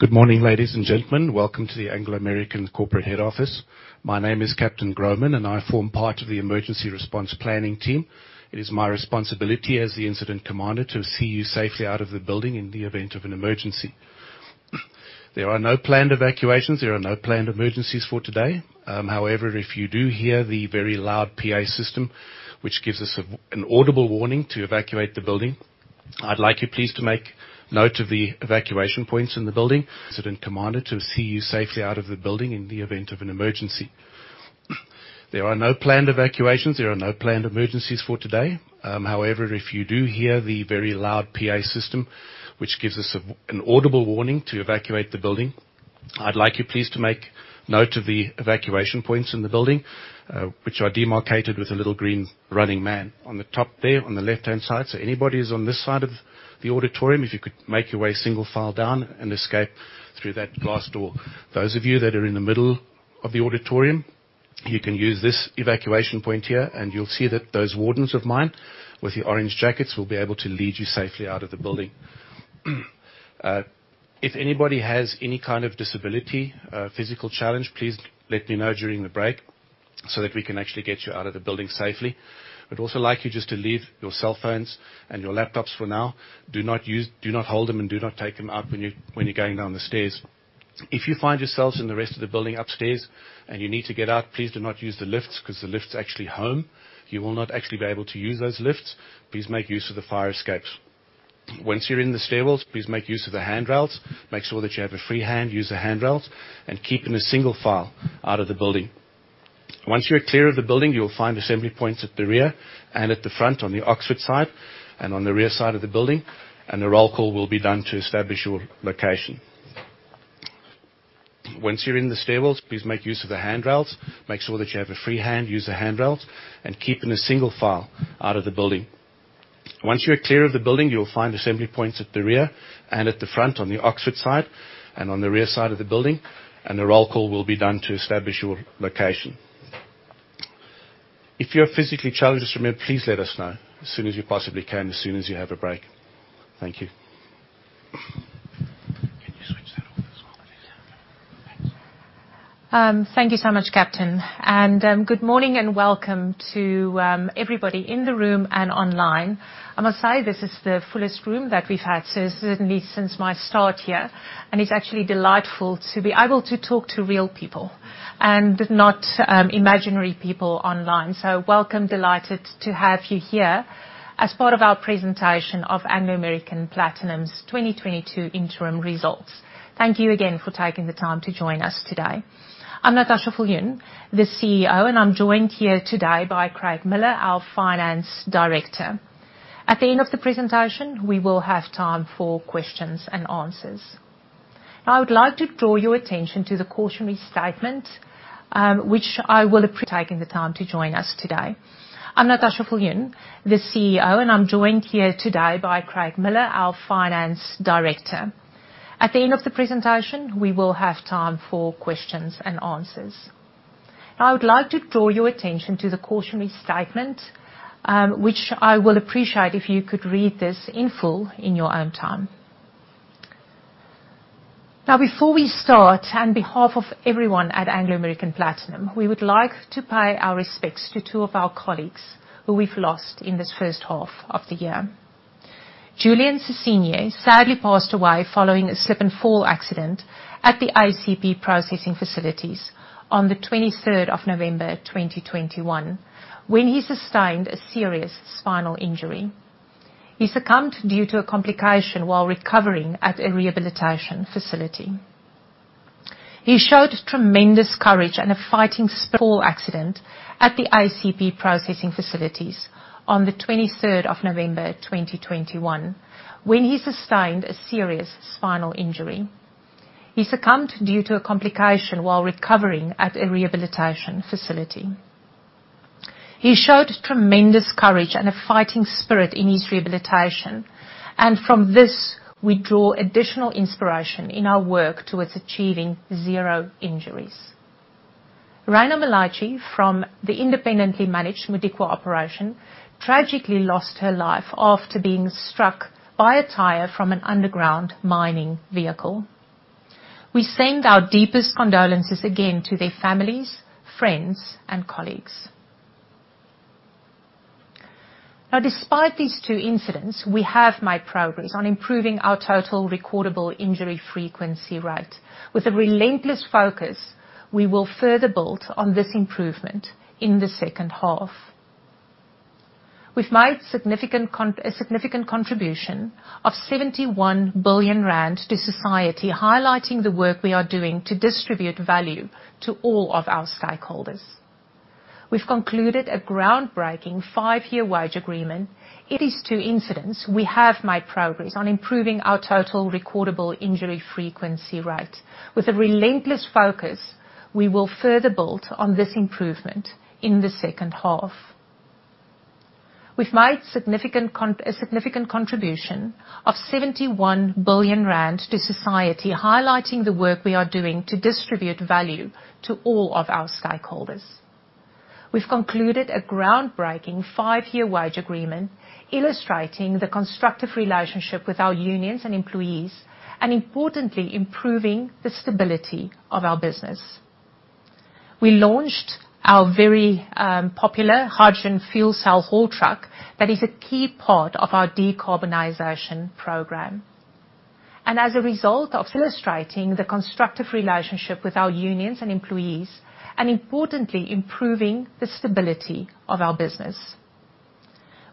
Good morning, ladies and gentlemen. Welcome to the Anglo American corporate head office. My name is Captain Grohmann, and I form part of the Emergency Response Planning Team. It is my responsibility as the incident commander to see you safely out of the building in the event of an emergency. There are no planned evacuations. There are no planned emergencies for today. However, if you do hear the very loud PA system, which gives us an audible warning to evacuate the building, I'd like you please to make note of the evacuation points in the building. Incident commander to see you safely out of the building in the event of an emergency. There are no planned evacuations. There are no planned emergencies for today. However, if you do hear the very loud PA system, which gives us an audible warning to evacuate the building, I'd like you please to make note of the evacuation points in the building, which are demarcated with a little green running man on the top there on the left-hand side. Anybody who's on this side of the auditorium, if you could make your way single file down and escape through that glass door. Those of you that are in the middle of the auditorium, you can use this evacuation point here, and you'll see that those wardens of mine with the orange jackets will be able to lead you safely out of the building. If anybody has any kind of disability, physical challenge, please let me know during the break so that we can actually get you out of the building safely. I'd also like you just to leave your cell phones and your laptops for now. Do not use, do not hold them and do not take them out when you're going down the stairs. If you find yourselves in the rest of the building upstairs and you need to get out, please do not use the lifts 'cause the lifts actually home. You will not actually be able to use those lifts. Please make use of the fire escapes. Once you're in the stairwells, please make use of the handrails. Make sure that you have a free hand, use the handrails, and keep in a single file out of the building. Once you're clear of the building, you will find assembly points at the rear and at the front on the Oxford side and on the rear side of the building, and the roll call will be done to establish your location. Once you're in the stairwells, please make use of the handrails. Make sure that you have a free hand, use the handrails, and keep in a single file out of the building. Once you're clear of the building, you will find assembly points at the rear and at the front on the Oxford side and on the rear side of the building, and the roll call will be done to establish your location. If you're physically challenged, remember, please let us know as soon as you possibly can, as soon as you have a break. Thank you. Can you switch that off as well, please? Thanks. Thank you so much, Captain. Good morning and welcome to everybody in the room and online. I must say this is the fullest room that we've had since, certainly since my start here, and it's actually delightful to be able to talk to real people and not imaginary people online. Welcome, delighted to have you here as part of our presentation of Anglo American Platinum's 2022 interim results. Thank you again for taking the time to join us today. I'm Natascha Viljoen, the CEO, and I'm joined here today by Craig Miller, our finance director. At the end of the presentation, we will have time for questions and answers. I would like to draw your attention to the cautionary statement, which I will appreciate if you could read this in full in your own time. Before we start, on behalf of everyone at Anglo American Platinum, we would like to pay our respects to two of our colleagues who we've lost in this first half of the year. Julian Sesinyi sadly passed away following a slip and fall accident at the ACP processing facilities on the 23rd of November, 2021, when he sustained a serious spinal injury. He succumbed due to a complication while recovering at a rehabilitation facility. He showed tremendous courage and a fighting spirit in his rehabilitation, and from this, we draw additional inspiration in our work towards achieving zero injuries. Rheina Malatji from the independently managed Modikwa operation tragically lost her life after being struck by a tire from an underground mining vehicle. We send our deepest condolences again to their families, friends, and colleagues. Now despite these two incidents, we have made progress on improving our total recordable injury frequency rate. With a relentless focus, we will further build on this improvement in the second half. We've made a significant contribution of 71 billion rand to society, highlighting the work we are doing to distribute value to all of our stakeholders. We've concluded a groundbreaking five-year wage agreement, illustrating the constructive relationship with our unions and employees, and importantly, improving the stability of our business. It is two incidents we have made progress on improving our total recordable injury frequency rate. With a relentless focus, we will further build on this improvement in the second half. We launched our very popular hydrogen fuel cell haul truck that is a key part of our decarbonization program. As a result of illustrating the constructive relationship with our unions and employees, and importantly, improving the stability of our business.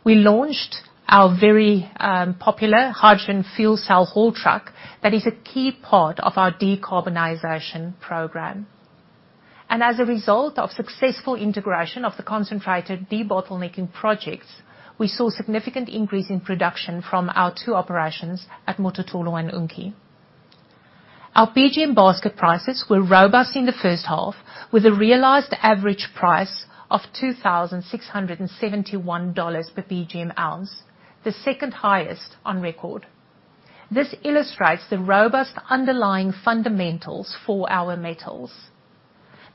We launched our very popular hydrogen fuel cell haul truck that is a key part of our decarbonization program. As a result of successful integration of the concentrate debottlenecking projects, we saw significant increase in production from our 2 operations at Mototolo and Unki. Our PGM basket prices were robust in the first half, with a realized average price of $2,671 per PGM ounce, the second highest on record. This illustrates the robust underlying fundamentals for our metals.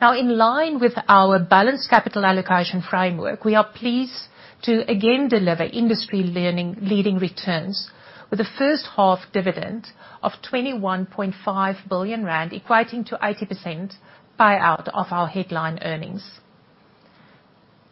Now, in line with our balanced capital allocation framework, we are pleased to again deliver industry-leading returns with the first half dividend of 21.5 billion rand, equating to 80% payout of our headline earnings.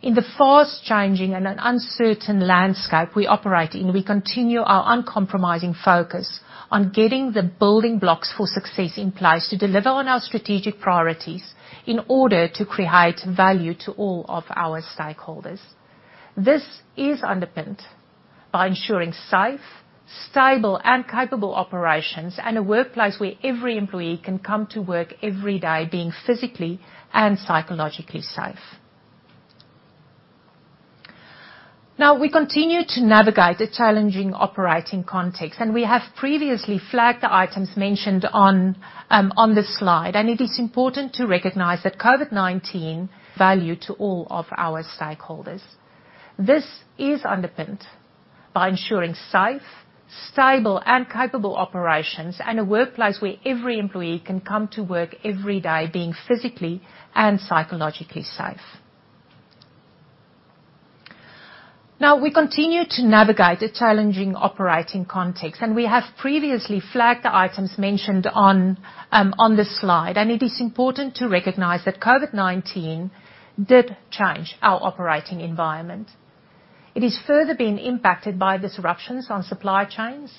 In the fast-changing and an uncertain landscape we operate in, we continue our uncompromising focus on getting the building blocks for success in place to deliver on our strategic priorities in order to create value to all of our stakeholders. This is underpinned by ensuring safe, stable, and capable operations, and a workplace where every employee can come to work every day being physically and psychologically safe. Now, we continue to navigate the challenging operating context, and we have previously flagged the items mentioned on this slide. It is important to recognize that COVID-19 value to all of our stakeholders. Now, we continue to navigate the challenging operating context, and we have previously flagged the items mentioned on this slide. It is important to recognize that COVID-19 did change our operating environment. It is further being impacted by disruptions on supply chains,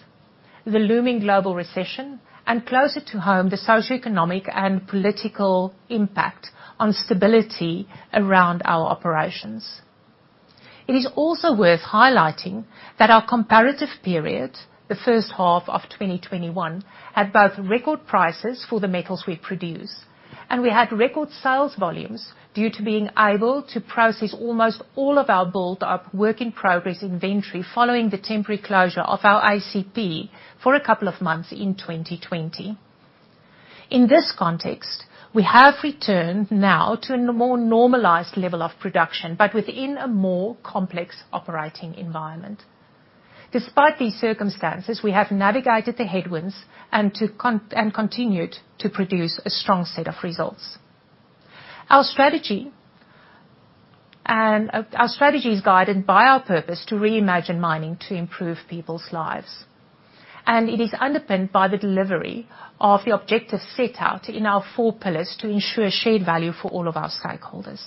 the looming global recession, and closer to home, the socioeconomic and political impact on stability around our operations. It is also worth highlighting that our comparative period, the first half of 2021, had both record prices for the metals we produce, and we had record sales volumes due to being able to process almost all of our built-up work in progress inventory following the temporary closure of our ACP for a couple of months in 2020. In this context, we have returned now to a more normalized level of production, but within a more complex operating environment. Despite these circumstances, we have navigated the headwinds and continued to produce a strong set of results. Our strategy is guided by our purpose to reimagine mining to improve people's lives, and it is underpinned by the delivery of the objectives set out in our four pillars to ensure shared value for all of our stakeholders.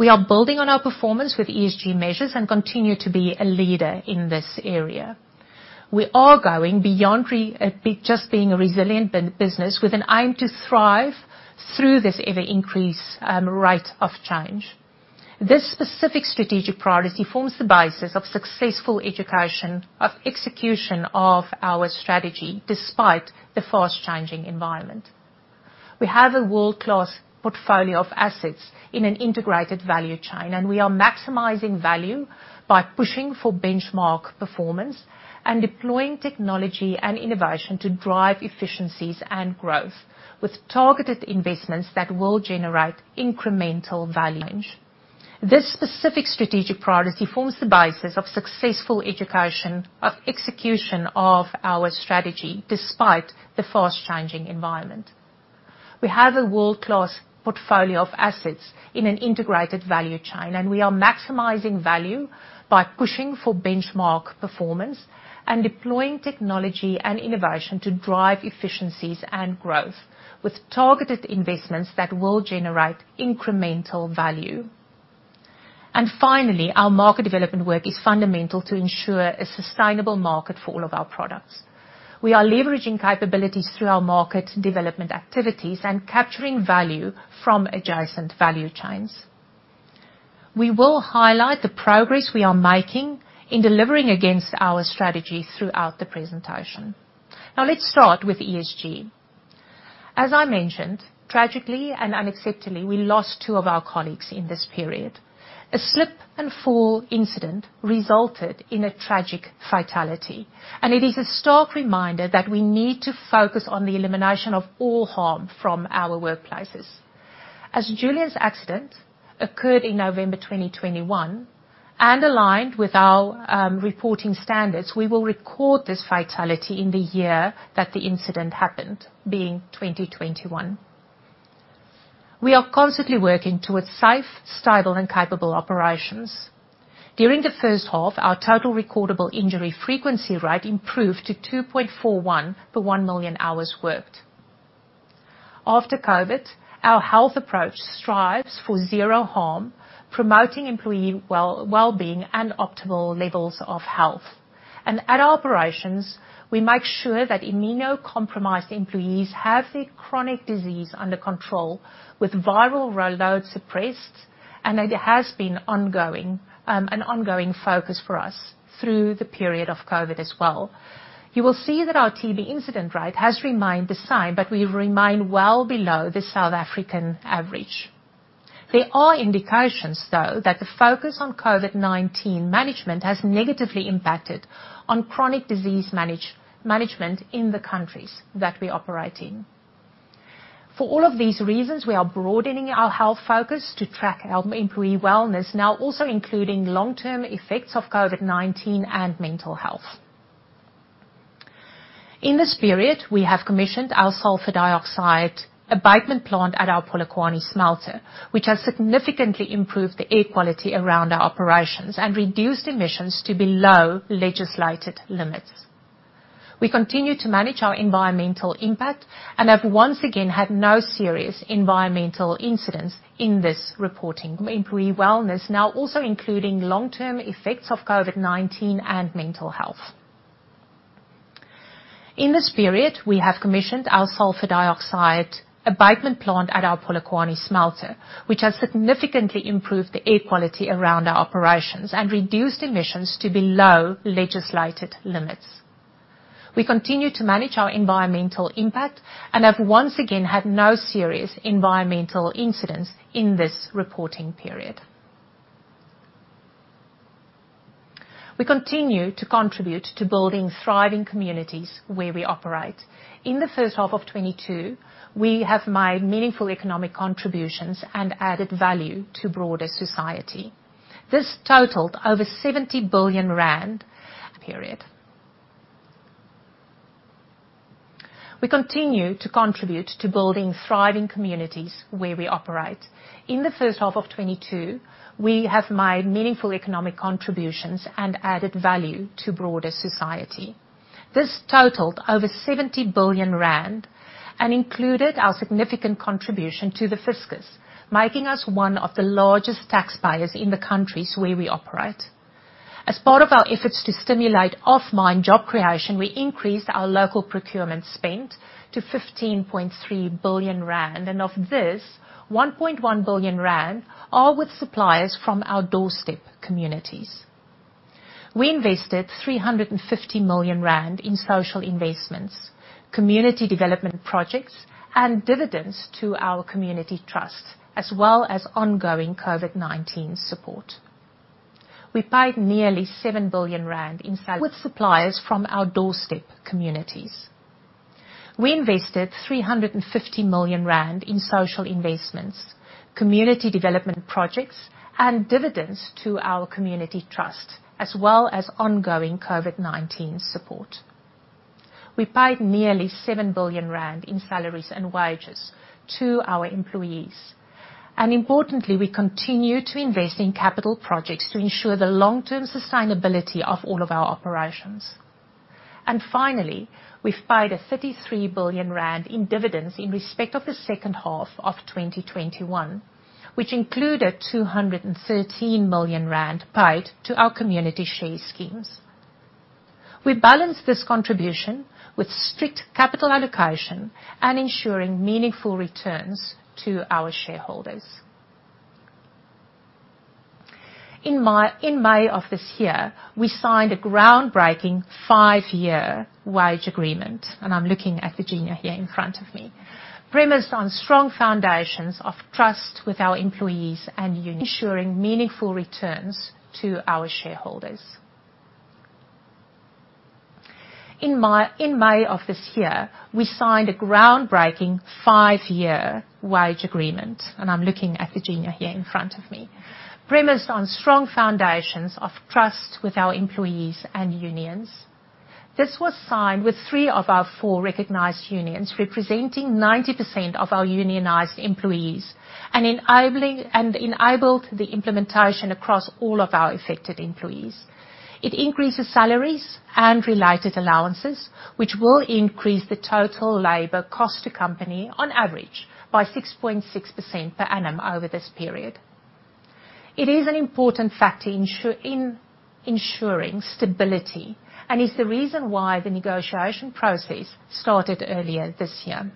We are building on our performance with ESG measures and continue to be a leader in this area. We are going beyond just being a resilient business with an aim to thrive through this ever-increasing rate of change. This specific strategic priority forms the basis of successful execution of our strategy despite the fast-changing environment. We have a world-class portfolio of assets in an integrated value chain, and we are maximizing value by pushing for benchmark performance and deploying technology and innovation to drive efficiencies and growth with targeted investments that will generate incremental value. This specific strategic priority forms the basis of successful execution of our strategy despite the fast-changing environment. We have a world-class portfolio of assets in an integrated value chain, and we are maximizing value by pushing for benchmark performance and deploying technology and innovation to drive efficiencies and growth with targeted investments that will generate incremental value. Finally, our market development work is fundamental to ensure a sustainable market for all of our products. We are leveraging capabilities through our market development activities and capturing value from adjacent value chains. We will highlight the progress we are making in delivering against our strategy throughout the presentation. Now let's start with ESG. As I mentioned, tragically and unacceptably, we lost two of our colleagues in this period. A slip and fall incident resulted in a tragic fatality, and it is a stark reminder that we need to focus on the elimination of all harm from our workplaces. As Julian's accident occurred in November 2021, and aligned with our reporting standards, we will record this fatality in the year that the incident happened, being 2021. We are constantly working towards safe, stable, and capable operations. During the first half, our total recordable injury frequency rate improved to 2.41 per 1 million hours worked. After COVID, our health approach strives for zero harm, promoting employee wellbeing and optimal levels of health. At our operations, we make sure that immunocompromised employees have their chronic disease under control, with viral load suppressed, and it has been ongoing, an ongoing focus for us through the period of COVID as well. You will see that our TB incident rate has remained the same, but we remain well below the South African average. There are indications though that the focus on COVID-19 management has negatively impacted on chronic disease management in the countries that we operate in. For all of these reasons, we are broadening our health focus to track our employee wellness, now also including long-term effects of COVID-19 and mental health. In this period, we have commissioned our sulfur dioxide abatement plant at our Polokwane smelter, which has significantly improved the air quality around our operations and reduced emissions to below legislated limits. We continue to manage our environmental impact and have once again had no serious environmental incidents in this reporting period. Employee wellness now also including long-term effects of COVID-19 and mental health. We continue to contribute to building thriving communities where we operate. In the first half of 2022, we have made meaningful economic contributions and added value to broader society. This totaled over 70 billion rand. We continue to contribute to building thriving communities where we operate. In the first half of 2022, we have made meaningful economic contributions and added value to broader society. This totaled over 70 billion rand and included our significant contribution to the fiscus, making us one of the largest taxpayers in the countries where we operate. As part of our efforts to stimulate off-mine job creation, we increased our local procurement spend to 15.3 billion rand, and of this, 1.1 billion rand are with suppliers from our doorstep communities. We invested 350 million rand in social investments, community development projects, and dividends to our community trust, as well as ongoing COVID-19 support. We paid nearly 7 billion rand in salaries. We invested 350 million rand in social investments, community development projects, and dividends to our community trust, as well as ongoing COVID-19 support. We paid nearly 7 billion rand in salaries and wages to our employees. Importantly, we continue to invest in capital projects to ensure the long-term sustainability of all of our operations. Finally, we've paid 33 billion rand in dividends in respect of the second half of 2021, which included 213 million rand paid to our community share schemes. We balanced this contribution with strict capital allocation and ensuring meaningful returns to our shareholders. In May of this year, we signed a groundbreaking 5-year wage agreement, and I'm looking at Virginia here in front of me, premised on strong foundations of trust with our employees and ensuring meaningful returns to our shareholders. In May of this year, we signed a groundbreaking 5-year wage agreement, and I'm looking at Virginia here in front of me, premised on strong foundations of trust with our employees and unions. This was signed with three of our four recognized unions, representing 90% of our unionized employees, and enabled the implementation across all of our affected employees. It increases salaries and related allowances, which will increase the total labor cost to company on average by 6.6% per annum over this period. It is an important factor in ensuring stability and is the reason why the negotiation process started earlier this year.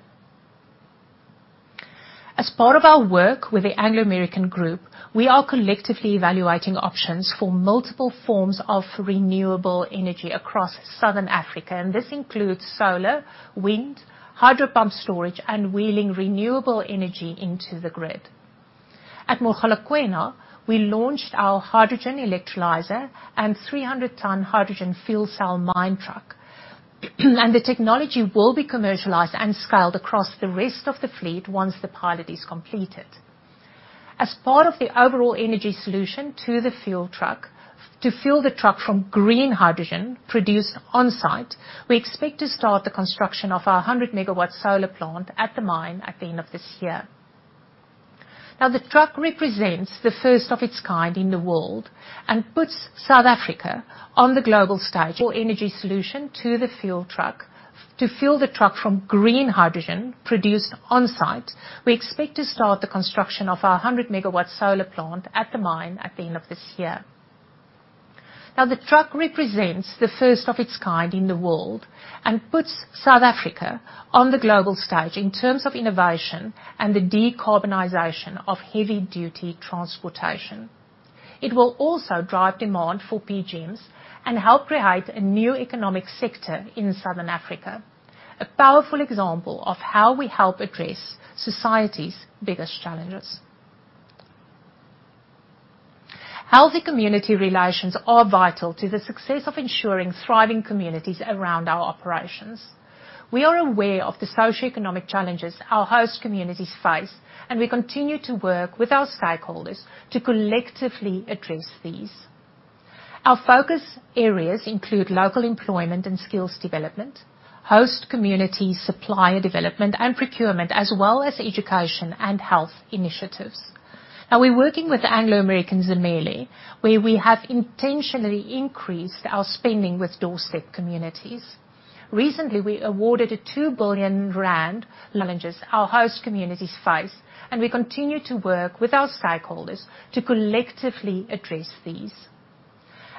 As part of our work with the Anglo American Group, we are collectively evaluating options for multiple forms of renewable energy across Southern Africa, and this includes solar, wind, hydro pump storage, and wheeling renewable energy into the grid. At Mogalakwena, we launched our hydrogen electrolyzer and 300-ton hydrogen fuel cell mine truck. The technology will be commercialized and scaled across the rest of the fleet once the pilot is completed. As part of the overall energy solution for the fuel truck, to fuel the truck from green hydrogen produced on-site, we expect to start the construction of our 100-MW solar plant at the mine at the end of this year. Now, the truck represents the first of its kind in the world and puts South Africa on the global stage for energy solution for the fuel truck. To fuel the truck from green hydrogen produced on-site, we expect to start the construction of our 100-MW solar plant at the mine at the end of this year. Now, the truck represents the first of its kind in the world and puts South Africa on the global stage in terms of innovation and the decarbonization of heavy-duty transportation. It will also drive demand for PGMs and help create a new economic sector in Southern Africa. A powerful example of how we help address society's biggest challenges. Healthy community relations are vital to the success of ensuring thriving communities around our operations. We are aware of the socioeconomic challenges our host communities face, and we continue to work with our stakeholders to collectively address these. Our focus areas include local employment and skills development, host community supplier development, and procurement, as well as education and health initiatives. We're working with Anglo American Zimele, where we have intentionally increased our spending with doorstep communities. Recently, we awarded a 2 billion rand load and haul contract at Mogalakwena to a consortium consisting of 51% doorstep ownership.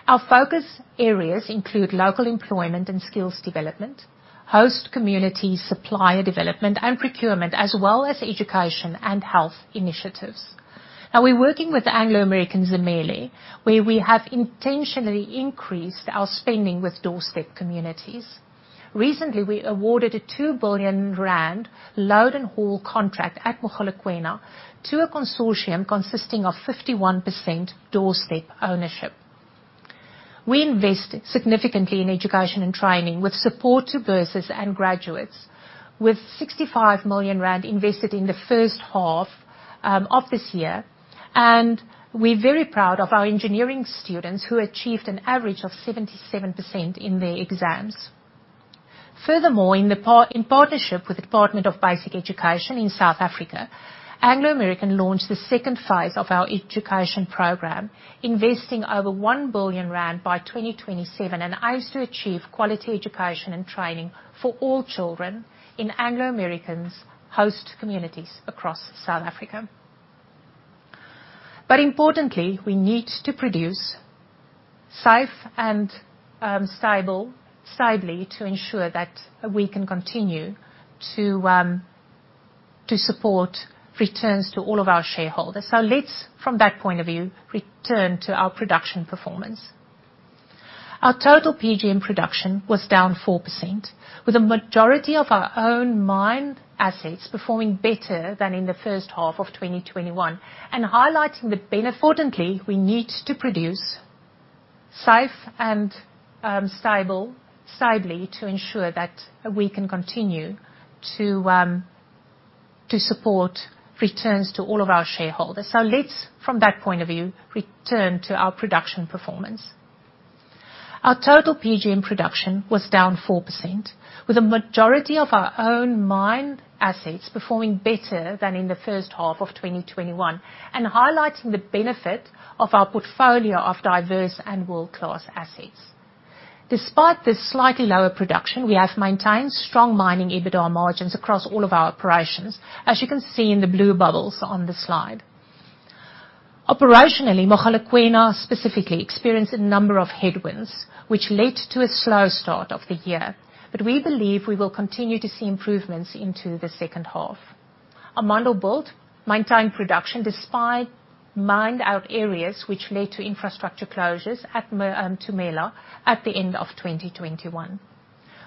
Our focus areas include local employment and skills development, host community supplier development, and procurement, as well as education and health initiatives. We invest significantly in education and training with support to bursars and graduates, with 65 million rand invested in the first half of this year. We're very proud of our engineering students, who achieved an average of 77% in their exams. Furthermore, in partnership with the Department of Basic Education in South Africa, Anglo-American launched the second phase of our education program, investing over 1 billion rand by 2027 and aims to achieve quality education and training for all children in Anglo-American's host communities across South Africa. Importantly, we need to produce safe and stable, stably to ensure that we can continue to support returns to all of our shareholders. Let's, from that point of view, return to our production performance. Our total PGM production was down 4%, with the majority of our own mine assets performing better than in the first half of 2021. Let's, from that point of view, return to our production performance. Our total PGM production was down 4%, with the majority of our own mine assets performing better than in the first half of 2021 and highlighting the benefit of our portfolio of diverse and world-class assets. Despite this slightly lower production, we have maintained strong mining EBITDA margins across all of our operations, as you can see in the blue bubbles on the slide. Operationally, Mogalakwena specifically experienced a number of headwinds, which led to a slow start of the year. We believe we will continue to see improvements into the second half. Amandelbult maintained production despite mined-out areas, which led to infrastructure closures at Tumela at the end of 2021.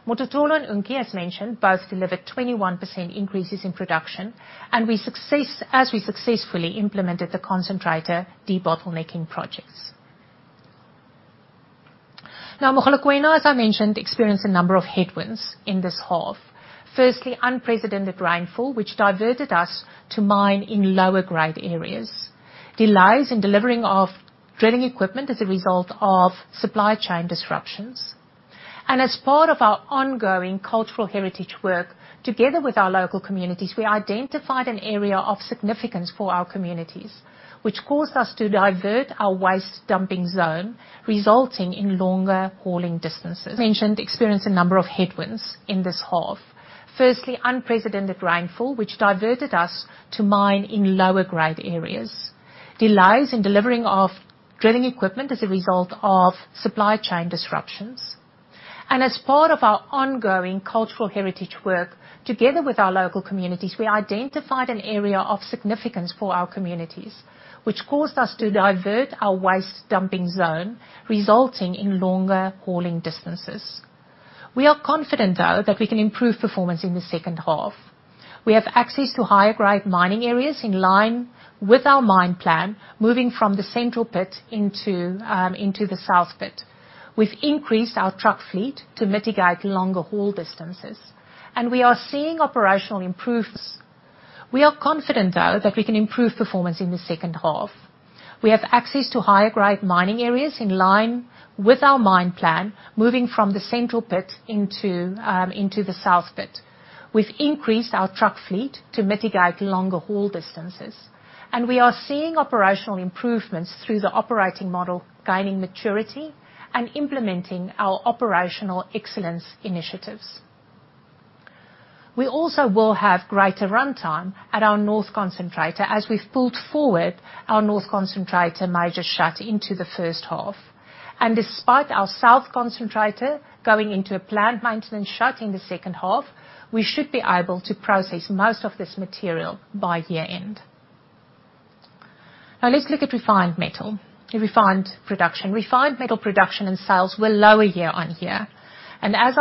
Mototolo and Unki, as mentioned, both delivered 21% increases in production, as we successfully implemented the concentrator debottlenecking projects. Now, Mogalakwena, as I mentioned, experienced a number of headwinds in this half. Firstly, unprecedented rainfall, which diverted us to mine in lower grade areas. Delays in delivering of drilling equipment as a result of supply chain disruptions. And as part of our ongoing cultural heritage work, together with our local communities, we identified an area of significance for our communities, which caused us to divert our waste dumping zone, resulting in longer hauling distances. As part of our ongoing cultural heritage work, together with our local communities, we identified an area of significance for our communities, which caused us to divert our waste dumping zone, resulting in longer hauling distances. We are confident, though, that we can improve performance in the second half. We have access to higher grade mining areas in line with our mine plan, moving from the central pit into the south pit. We've increased our truck fleet to mitigate longer haul distances, and we are seeing operational improvements. We've increased our truck fleet to mitigate longer haul distances, and we are seeing operational improvements through the operating model, gaining maturity and implementing our operational excellence initiatives. We also will have greater runtime at our North concentrator as we've pulled forward our North concentrator major shut into the first half. Despite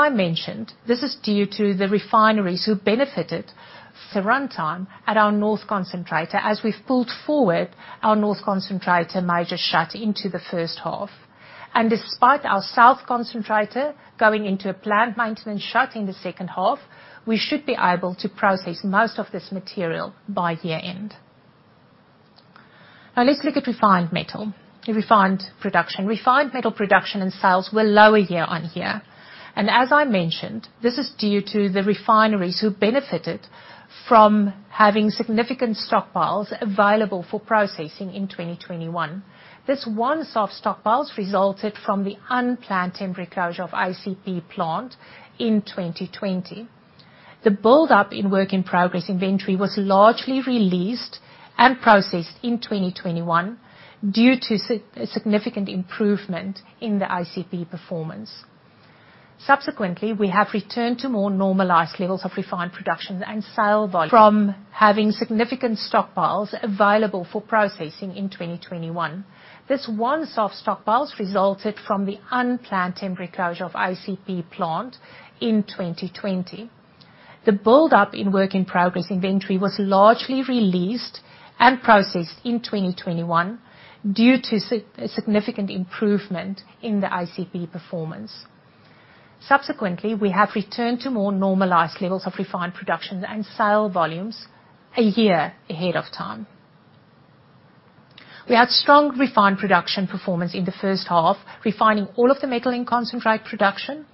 our South concentrator going into a plant maintenance shut in the second half, we should be able to process most of this material by year-end. Now let's look at refined metal, the refined production. Refined metal production and sales were lower year on year. As I mentioned, this is due to the refineries who benefited the runtime at our North concentrator as we've pulled forward our North concentrator major shut into the first half. Despite our South concentrator going into a plant maintenance shutdown in the second half, we should be able to process most of this material by year-end. Now let's look at refined metal, the refined production. Refined metal production and sales were lower year-over-year. As I mentioned, this is due to the refineries who benefited from having significant stockpiles available for processing in 2021. Those stockpiles resulted from the unplanned temporary closure of ACP plant in 2020. The buildup in work in progress inventory was largely released and processed in 2021 due to significant improvement in the ACP performance. Subsequently, we have returned to more normalized levels of refined production and sales. The buildup in work in progress inventory was largely released and processed in 2021 due to significant improvement in the ACP performance. Subsequently, we have returned to more normalized levels of refined production and sales volumes a year ahead of time. We had strong refined production performance in the first half, refining all of the metal in concentrate production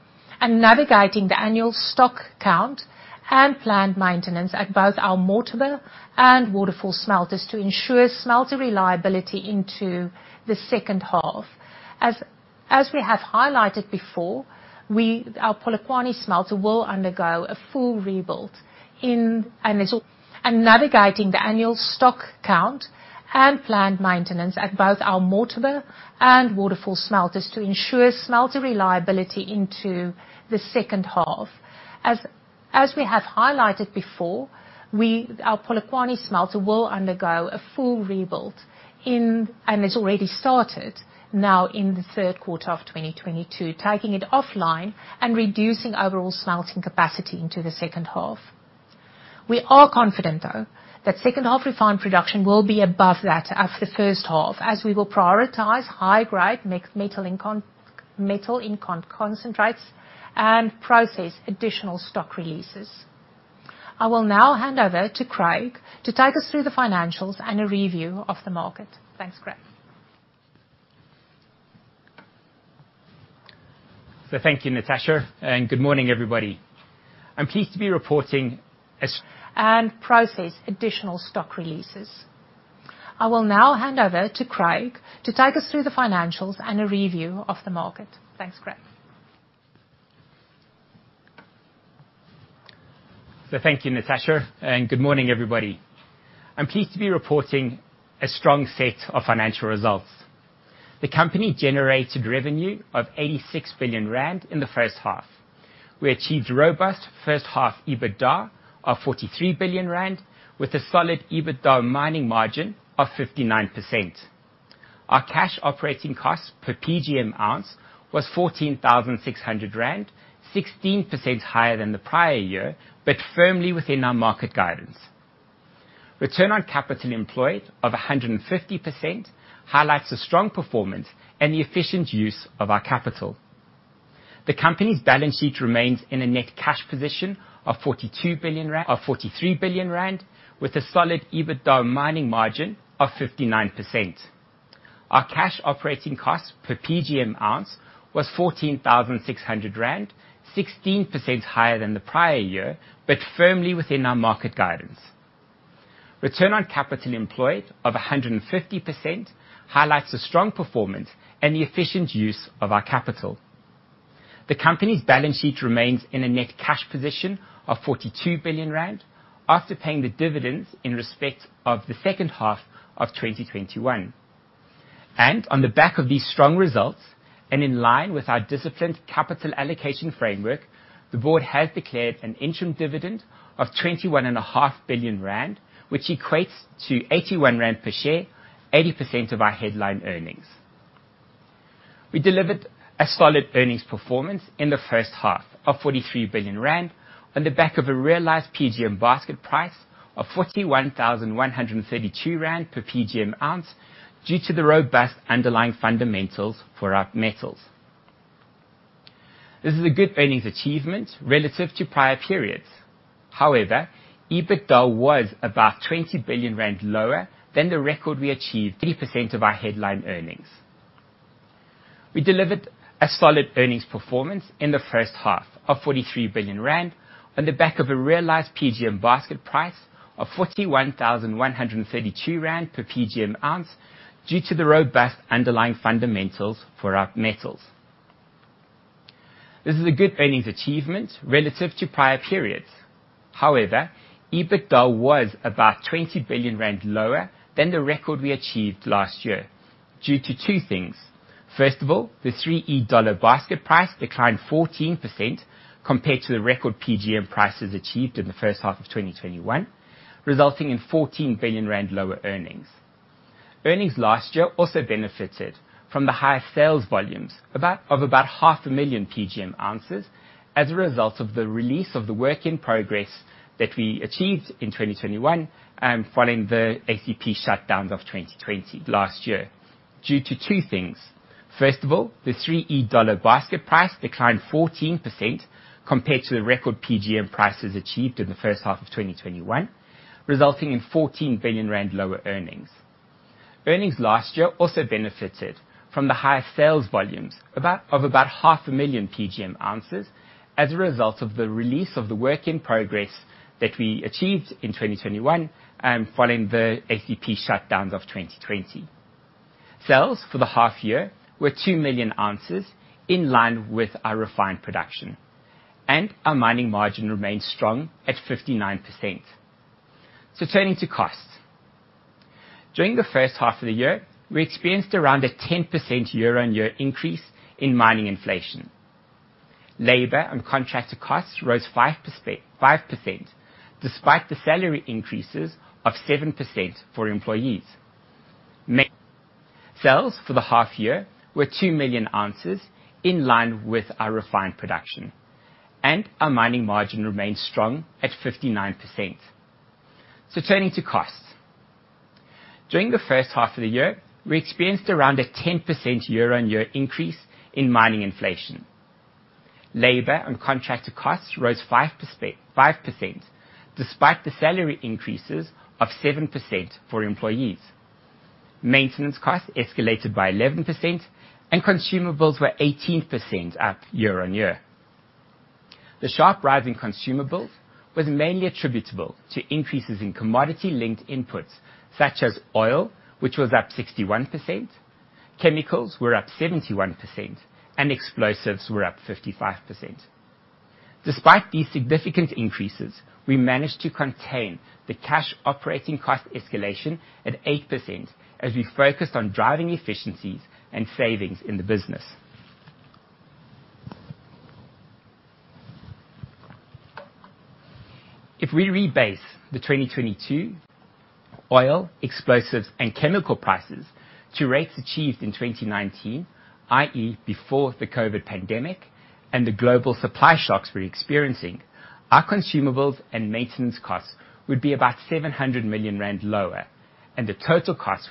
and navigating the annual stock count and planned maintenance at both our Mortimer and Waterval Smelters to ensure smelter reliability into the second half. As we have highlighted before, our Polokwane smelter will undergo a full rebuild in. As we have highlighted before, our Polokwane smelter will undergo a full rebuild, and it's already started now in the third quarter of 2022, taking it offline and reducing overall smelting capacity into the second half. We are confident, though, that second half refined production will be above that of the first half, as we will prioritize high grade PGM in concentrates and process additional stockpile releases. I will now hand over to Craig to take us through the financials and a review of the market. Thanks, Craig. Thank you, Natascha. Good morning, everybody. I'm pleased to be reporting a strong set of financial results. The company generated revenue of 86 billion rand in the first half. We achieved robust first half EBITDA of 43 billion rand with a solid EBITDA mining margin of 59%. Our cash operating costs per PGM ounce was 14,600 rand, 16% higher than the prior year, but firmly within our market guidance. Return on capital employed of 150% highlights the strong performance and the efficient use of our capital. The company's balance sheet remains in a net cash position of 43 billion rand, with a solid EBITDA mining margin of 59%. Our cash operating cost per PGM ounce was 14,600 rand, 16% higher than the prior year, but firmly within our market guidance. Return on capital employed of 150% highlights the strong performance and the efficient use of our capital. The company's balance sheet remains in a net cash position of 42 billion rand after paying the dividends in respect of the second half of 2021. On the back of these strong results and in line with our disciplined capital allocation framework. The board has declared an interim dividend of 21.5 billion rand, which equates to 81 rand per share, 80% of our headline earnings. We delivered a solid earnings performance in the first half of 43 billion rand on the back of a realized PGM basket price of 41,132 rand per PGM ounce due to the robust underlying fundamentals for our metals. This is a good earnings achievement relative to prior periods. However, EBITDA was about 20 billion rand lower than the record we achieved. 3% of our headline earnings. We delivered a solid earnings performance in the first half of 43 billion rand on the back of a realized PGM basket price of 41,132 rand per PGM ounce due to the robust underlying fundamentals for our metals. This is a good earnings achievement relative to prior periods. However, EBITDA was about 20 billion rand lower than the record we achieved last year due to two things. First of all, the 3E dollar basket price declined 14% compared to the record PGM prices achieved in the first half of 2021, resulting in 14 billion rand lower earnings. Earnings last year also benefited from the higher sales volumes of about half a million PGM ounces as a result of the release of the work in progress that we achieved in 2021, following the ACP shutdowns of 2020. Last year due to two things. First of all, the 3E dollar basket price declined 14% compared to the record PGM prices achieved in the first half of 2021, resulting in 14 billion rand lower earnings. Earnings last year also benefited from the higher sales volumes of about half a million PGM ounces as a result of the release of the work in progress that we achieved in 2021, following the ACP shutdowns of 2020. Sales for the half year were 2 million ounces in line with our refined production, and our mining margin remains strong at 59%. Turning to costs. During the first half of the year, we experienced around a 10% year-on-year increase in mining inflation. Labor and contractor costs rose 5%, despite the salary increases of 7% for employees. Sales for the half year were 2 million ounces in line with our refined production, and our mining margin remains strong at 59%. Maintenance costs escalated by 11% and consumables were 18% up year-on-year. The sharp rise in consumables was mainly attributable to increases in commodity-linked inputs such as oil, which was up 61%, chemicals were up 71%, and explosives were up 55%. Despite these significant increases, we managed to contain the cash operating cost escalation at 8% as we focused on driving efficiencies and savings in the business. If we rebase the 2020 oil, explosives, and chemical prices to rates achieved in 2019, i.e., before the COVID-19 pandemic and the global supply shocks we're experiencing, our consumables and maintenance costs would be about 700 million rand lower, and the total cost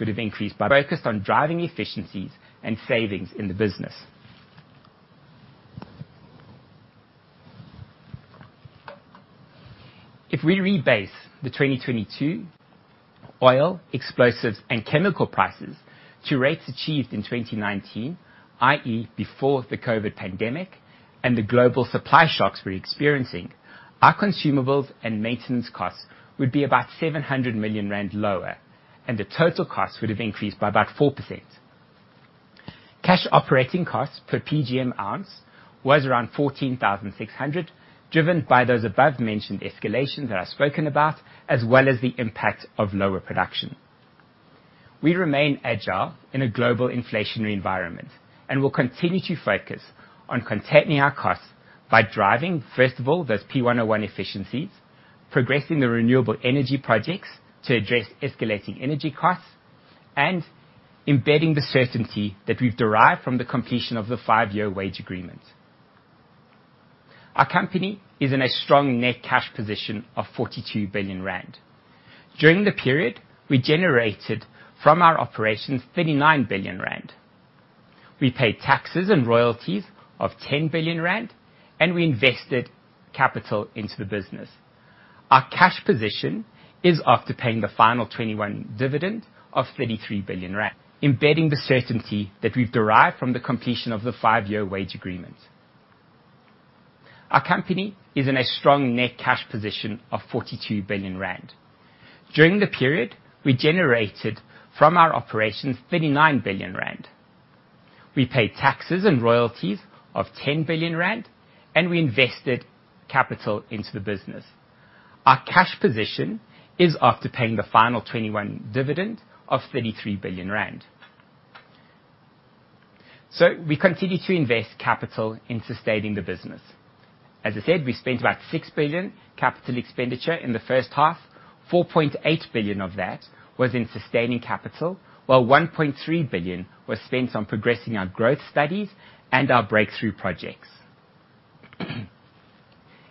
would have increased by about 4%. Cash operating costs per PGM ounce was around 14,600, driven by those above-mentioned escalations that I've spoken about, as well as the impact of lower production. We remain agile in a global inflationary environment, and will continue to focus on containing our costs by driving, first of all, those P101 efficiencies, progressing the renewable energy projects to address escalating energy costs, and embedding the certainty that we've derived from the completion of the 5-year wage agreement. Our company is in a strong net cash position of 42 billion rand. During the period, we generated from our operations 39 billion rand. We paid taxes and royalties of 10 billion rand, and we invested capital into the business. Our cash position is after paying the final 2021 dividend of 33 billion rand. Our company is in a strong net cash position of 42 billion rand. During the period, we generated from our operations 39 billion rand. We paid taxes and royalties of 10 billion rand, and we invested capital into the business. Our cash position is after paying the final 2021 dividend of 33 billion rand. We continue to invest capital in sustaining the business. As I said, we spent about 6 billion capital expenditure in the first half, 4.8 billion of that was in sustaining capital, while 1.3 billion was spent on progressing our growth studies and our breakthrough projects.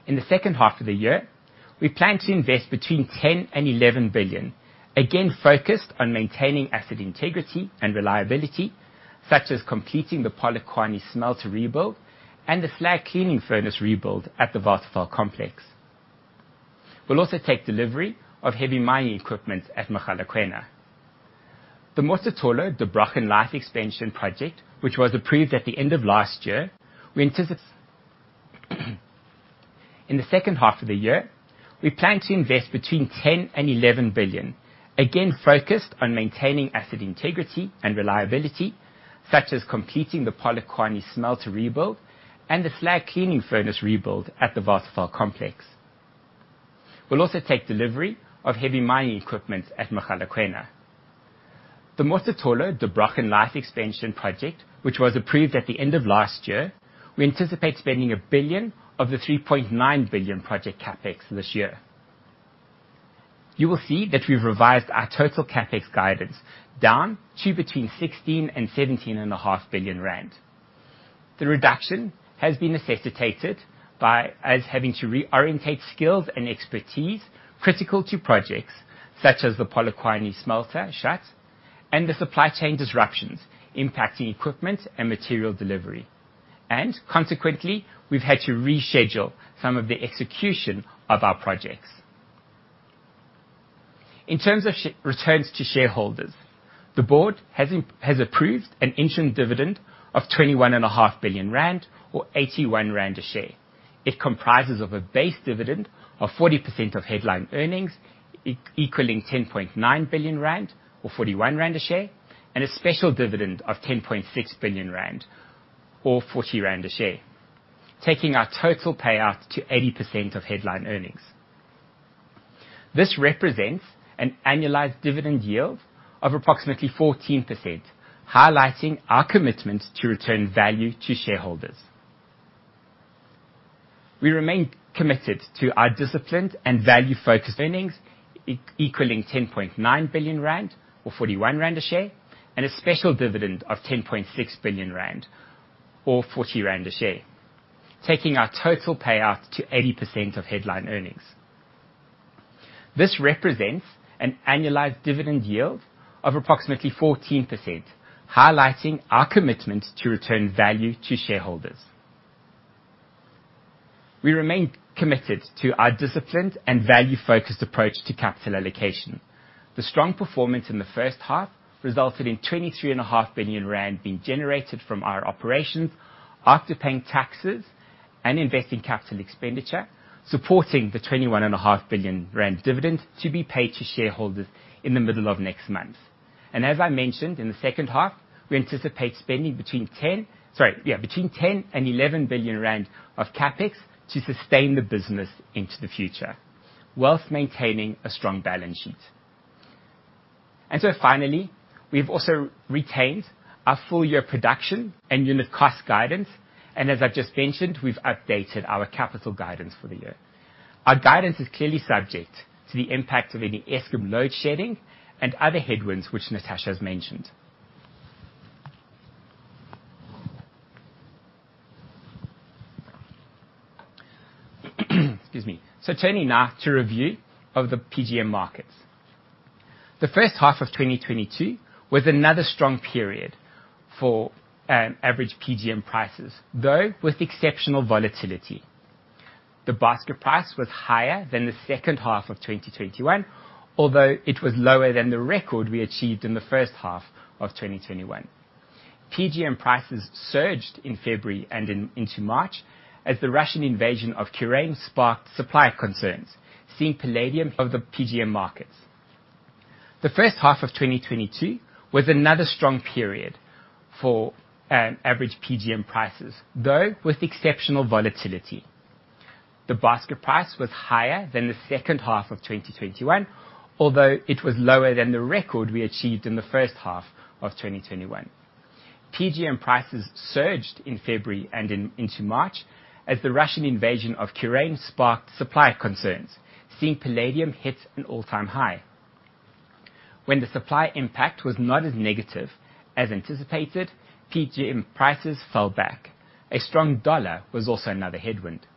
In the second half of the year, we plan to invest between 10 billion and 11 billion, again, focused on maintaining asset integrity and reliability, such as completing the Polokwane smelter rebuild and the slag cleaning furnace rebuild at the Waterval complex. We'll also take delivery of heavy mining equipment at Mogalakwena. In the second half of the year, we plan to invest between 10 billion and 11 billion, again, focused on maintaining asset integrity and reliability, such as completing the Polokwane smelter rebuild and the slag cleaning furnace rebuild at the Waterval complex. The Mototolo, the Der Brochen life-extension project, which was approved at the end of last year, we anticipate spending 1 billion of the 3.9 billion project CapEx this year. You will see that we've revised our total CapEx guidance down to between 16 billion rand and 17.5 billion rand. The reduction has been necessitated by us having to re-orientate skills and expertise critical to projects such as the Polokwane smelter shut and the supply chain disruptions impacting equipment and material delivery. Consequently, we've had to reschedule some of the execution of our projects. In terms of share returns to shareholders, the board has approved an interim dividend of 21.5 billion rand or 81 rand a share. It comprises of a base dividend of 40% of headline earnings, equaling 10.9 billion rand or 41 rand a share, and a special dividend of 10.6 billion rand or 40 rand a share. Taking our total payout to 80% of headline earnings. This represents an annualized dividend yield of approximately 14%, highlighting our commitment to return value to shareholders. We remain committed to our disciplined and value-focused earnings equaling 10.9 billion rand or 41 rand a share, and a special dividend of 10.6 billion rand or 40 rand a share, taking our total payout to 80% of headline earnings. This represents an annualized dividend yield of approximately 14%, highlighting our commitment to return value to shareholders. We remain committed to our disciplined and value-focused approach to capital allocation. The strong performance in the first half resulted in 23 and a half billion rand being generated from our operations after paying taxes and investing capital expenditure, supporting the 21 and a half billion rand dividend to be paid to shareholders in the middle of next month. As I mentioned, in the second half, we anticipate spending between ten. Sorry, yeah, between 10 billion and 11 billion rand of CapEx to sustain the business into the future while maintaining a strong balance sheet. Finally, we've also retained our full year production and unit cost guidance, and as I just mentioned, we've updated our capital guidance for the year. Our guidance is clearly subject to the impact of any Eskom load shedding and other headwinds, which Natascha has mentioned. Excuse me. Turning now to a review of the PGM markets. The first half of 2022 was another strong period for average PGM prices, though with exceptional volatility. The basket price was higher than the second half of 2021, although it was lower than the record we achieved in the first half of 2021. PGM prices surged in February and into March as the Russian invasion of Ukraine sparked supply concerns, seeing palladium of the PGM markets. The first half of 2022 was another strong period for average PGM prices, though, with exceptional volatility. The basket price was higher than the second half of 2021, although it was lower than the record we achieved in the first half of 2021. PGM prices surged in February and into March as the Russian invasion of Ukraine sparked supply concerns, seeing palladium hit an all-time high. When the supply impact was not as negative as anticipated, PGM prices fell back. A strong dollar was also another headwind.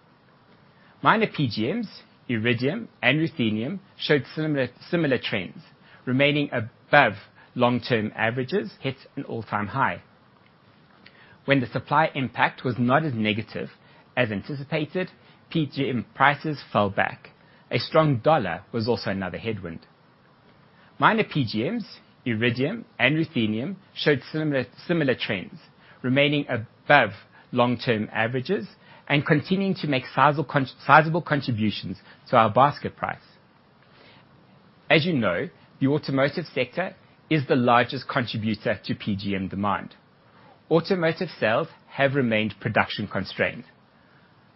Minor PGMs, iridium and ruthenium, showed similar trends, remaining above long-term averages, hit an all-time high. When the supply impact was not as negative as anticipated, PGM prices fell back. A strong dollar was also another headwind. Minor PGMs, iridium and ruthenium, showed similar trends, remaining above long-term averages and continuing to make sizable contributions to our basket price. As you know, the automotive sector is the largest contributor to PGM demand. Automotive sales have remained production constrained.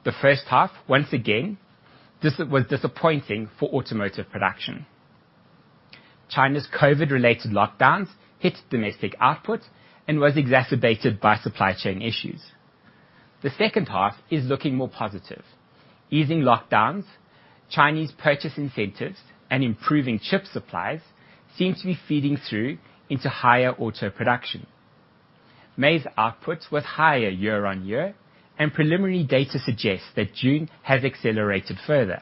The first half, once again, was disappointing for automotive production. China's COVID-related lockdowns hit domestic output and was exacerbated by supply chain issues. The second half is looking more positive. Easing lockdowns, Chinese purchase incentives, and improving chip supplies seem to be feeding through into higher auto production. May's output was higher year on year, and preliminary data suggests that June has accelerated further.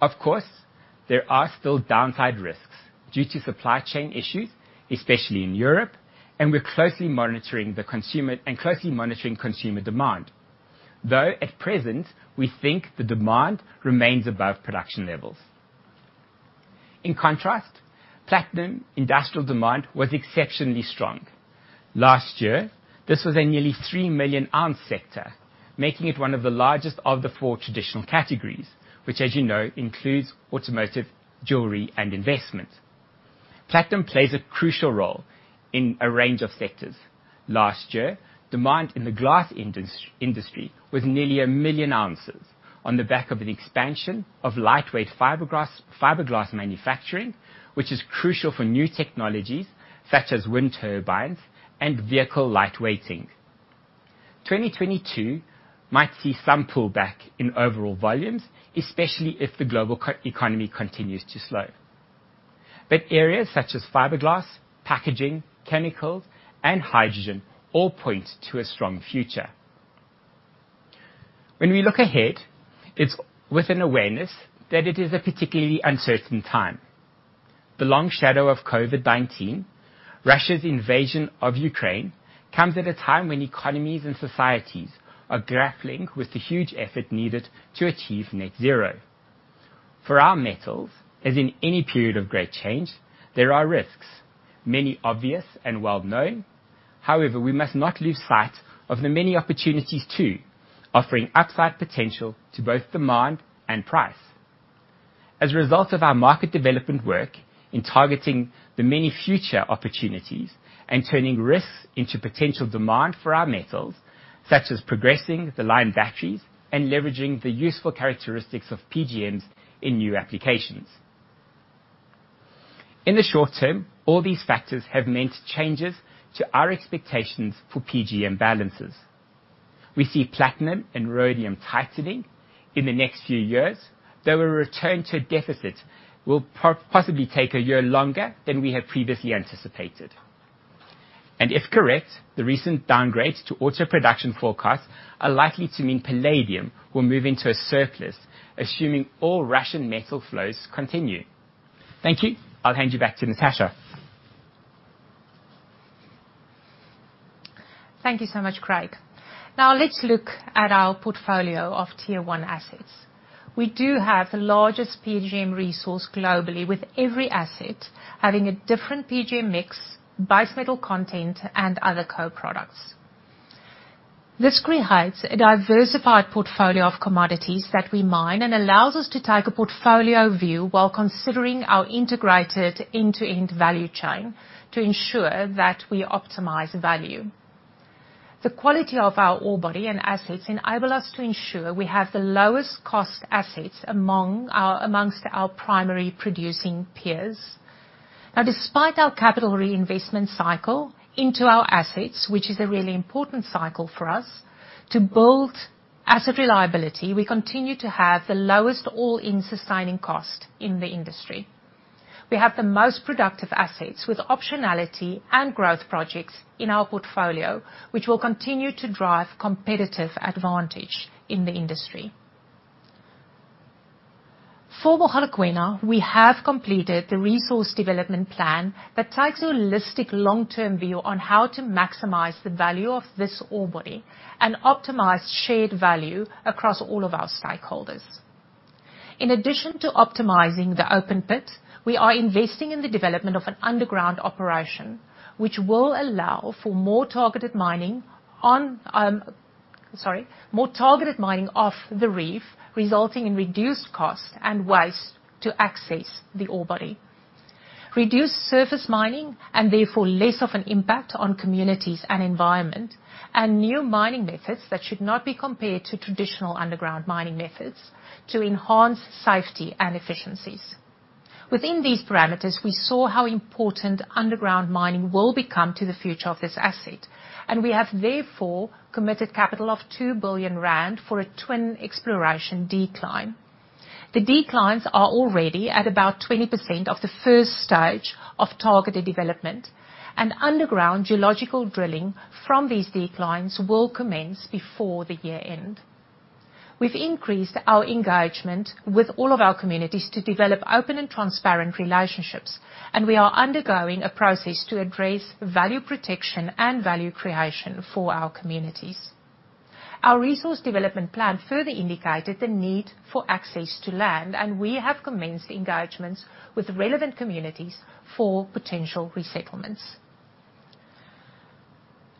Of course, there are still downside risks due to supply chain issues, especially in Europe, and we're closely monitoring consumer demand. Though, at present, we think the demand remains above production levels. In contrast, platinum industrial demand was exceptionally strong. Last year, this was a nearly 3 million ounce sector, making it one of the largest of the four traditional categories, which as you know includes automotive, jewelry, and investment. Platinum plays a crucial role in a range of sectors. Last year, demand in the glass industry was nearly 1 million ounces on the back of an expansion of lightweight fiberglass manufacturing, which is crucial for new technologies such as wind turbines and vehicle lightweighting. 2022 might see some pullback in overall volumes, especially if the global economy continues to slow. Areas such as fiberglass, packaging, chemicals, and hydrogen all point to a strong future. When we look ahead, it's with an awareness that it is a particularly uncertain time. The long shadow of COVID-19, Russia's invasion of Ukraine comes at a time when economies and societies are grappling with the huge effort needed to achieve net zero. For our metals, as in any period of great change, there are risks, many obvious and well-known. However, we must not lose sight of the many opportunities too, offering upside potential to both demand and price. As a result of our market development work in targeting the many future opportunities and turning risks into potential demand for our metals, such as progressing the iron-air batteries and leveraging the useful characteristics of PGMs in new applications. In the short term, all these factors have meant changes to our expectations for PGM balances. We see platinum and rhodium tightening in the next few years, though a return to deficit will possibly take a year longer than we had previously anticipated. If correct, the recent downgrades to auto production forecasts are likely to mean palladium will move into a surplus, assuming all Russian metal flows continue. Thank you. I'll hand you back to Natascha. Thank you so much, Craig. Now let's look at our portfolio of tier one assets. We do have the largest PGM resource globally with every asset having a different PGM mix, base metal content, and other co-products. This creates a diversified portfolio of commodities that we mine and allows us to take a portfolio view while considering our integrated end-to-end value chain to ensure that we optimize value. The quality of our ore body and assets enable us to ensure we have the lowest cost assets amongst our primary producing peers. Now, despite our capital reinvestment cycle into our assets, which is a really important cycle for us, to build asset reliability, we continue to have the lowest All-in Sustaining Cost in the industry. We have the most productive assets with optionality and growth projects in our portfolio, which will continue to drive competitive advantage in the industry. For Mogalakwena, we have completed the resource development plan that takes a holistic long-term view on how to maximize the value of this ore body and optimize shared value across all of our stakeholders. In addition to optimizing the open pit, we are investing in the development of an underground operation, which will allow for more targeted mining of the reef, resulting in reduced cost and waste to access the ore body. Reduced surface mining, and therefore less of an impact on communities and environment, and new mining methods that should not be compared to traditional underground mining methods to enhance safety and efficiencies. Within these parameters, we saw how important underground mining will become to the future of this asset, and we have therefore committed capital of 2 billion rand for a twin exploration decline. The declines are already at about 20% of the first stage of targeted development, and underground geological drilling from these declines will commence before the year end. We've increased our engagement with all of our communities to develop open and transparent relationships, and we are undergoing a process to address value protection and value creation for our communities. Our resource development plan further indicated the need for access to land, and we have commenced engagements with relevant communities for potential resettlements.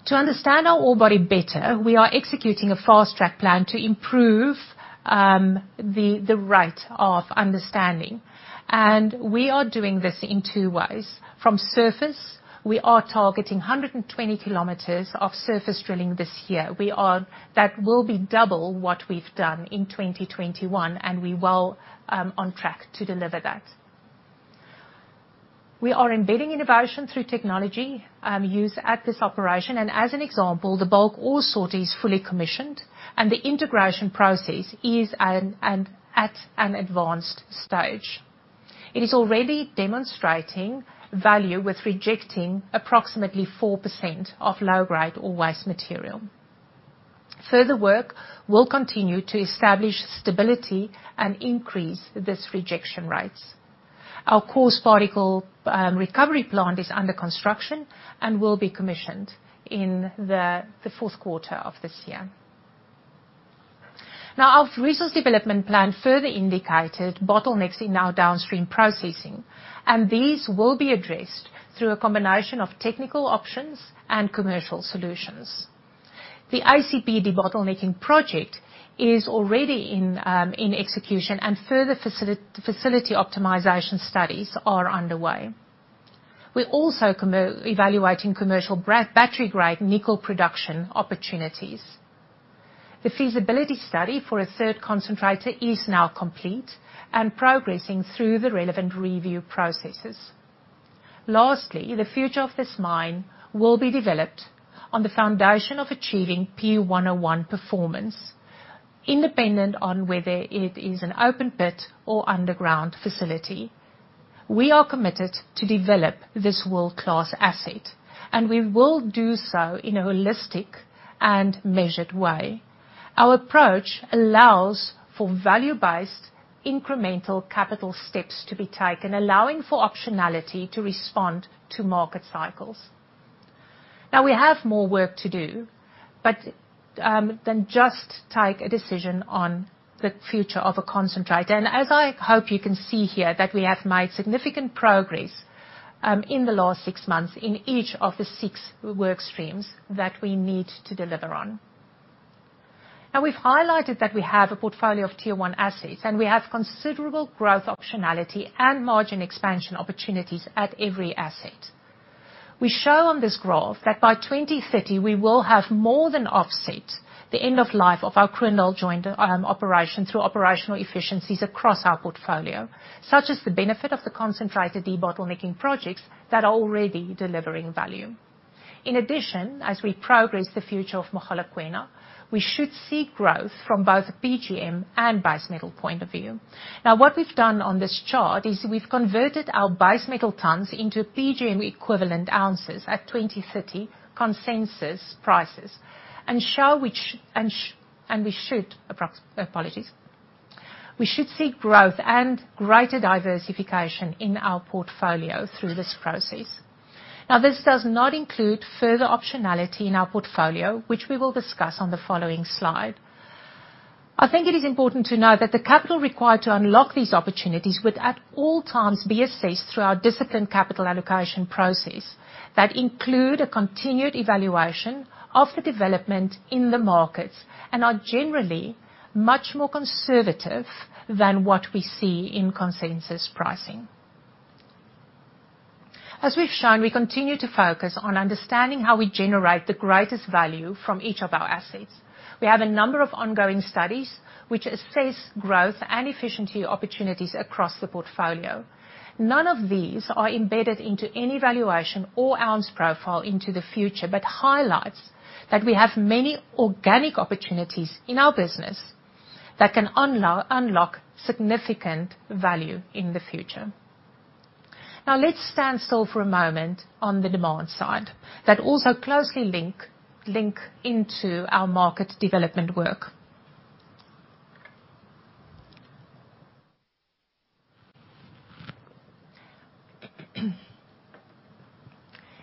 To understand our ore body better, we are executing a fast-track plan to improve the rate of understanding, and we are doing this in two ways from surface. We are targeting 120 km of surface drilling this year. That will be double what we've done in 2021, and we're well on track to deliver that. We are embedding innovation through technology used at this operation, and as an example, the bulk ore sorting is fully commissioned and the integration process is at an advanced stage. It is already demonstrating value with rejecting approximately 4% of low grade or waste material. Further work will continue to establish stability and increase this rejection rates. Our coarse particle recovery plant is under construction and will be commissioned in the fourth quarter of this year. Our resource development plan further indicated bottlenecks in our downstream processing, and these will be addressed through a combination of technical options and commercial solutions. The ACP debottlenecking project is already in execution and further facility optimization studies are underway. We're also evaluating commercial battery-grade nickel production opportunities. The feasibility study for a third concentrator is now complete and progressing through the relevant review processes. Lastly, the future of this mine will be developed on the foundation of achieving P101 performance independent on whether it is an open pit or underground facility. We are committed to develop this world-class asset, and we will do so in a holistic and measured way. Our approach allows for value-based incremental capital steps to be taken, allowing for optionality to respond to market cycles. Now, we have more work to do, but more than just take a decision on the future of a concentrator. As I hope you can see here, that we have made significant progress in the last six months in each of the six work streams that we need to deliver on. Now we've highlighted that we have a portfolio of tier one assets, and we have considerable growth optionality and margin expansion opportunities at every asset. We show on this graph that by 2030 we will have more than offset the end of life of our crude oil joint operation through operational efficiencies across our portfolio, such as the benefit of the concentrator debottlenecking projects that are already delivering value. In addition, as we progress the future of Mogalakwena, we should see growth from both a PGM and base metal point of view. Now, what we've done on this chart is we've converted our base metal tons into PGM equivalent ounces at 2030 consensus prices. We should see growth and greater diversification in our portfolio through this process. Now, this does not include further optionality in our portfolio, which we will discuss on the following slide. I think it is important to note that the capital required to unlock these opportunities would at all times be assessed through our disciplined capital allocation process that include a continued evaluation of the development in the markets and are generally much more conservative than what we see in consensus pricing. As we've shown, we continue to focus on understanding how we generate the greatest value from each of our assets. We have a number of ongoing studies which assess growth and efficiency opportunities across the portfolio. None of these are embedded into any valuation or ounce profile into the future, but highlights that we have many organic opportunities in our business that can unlock significant value in the future. Now let's stand still for a moment on the demand side that also closely link into our market development work.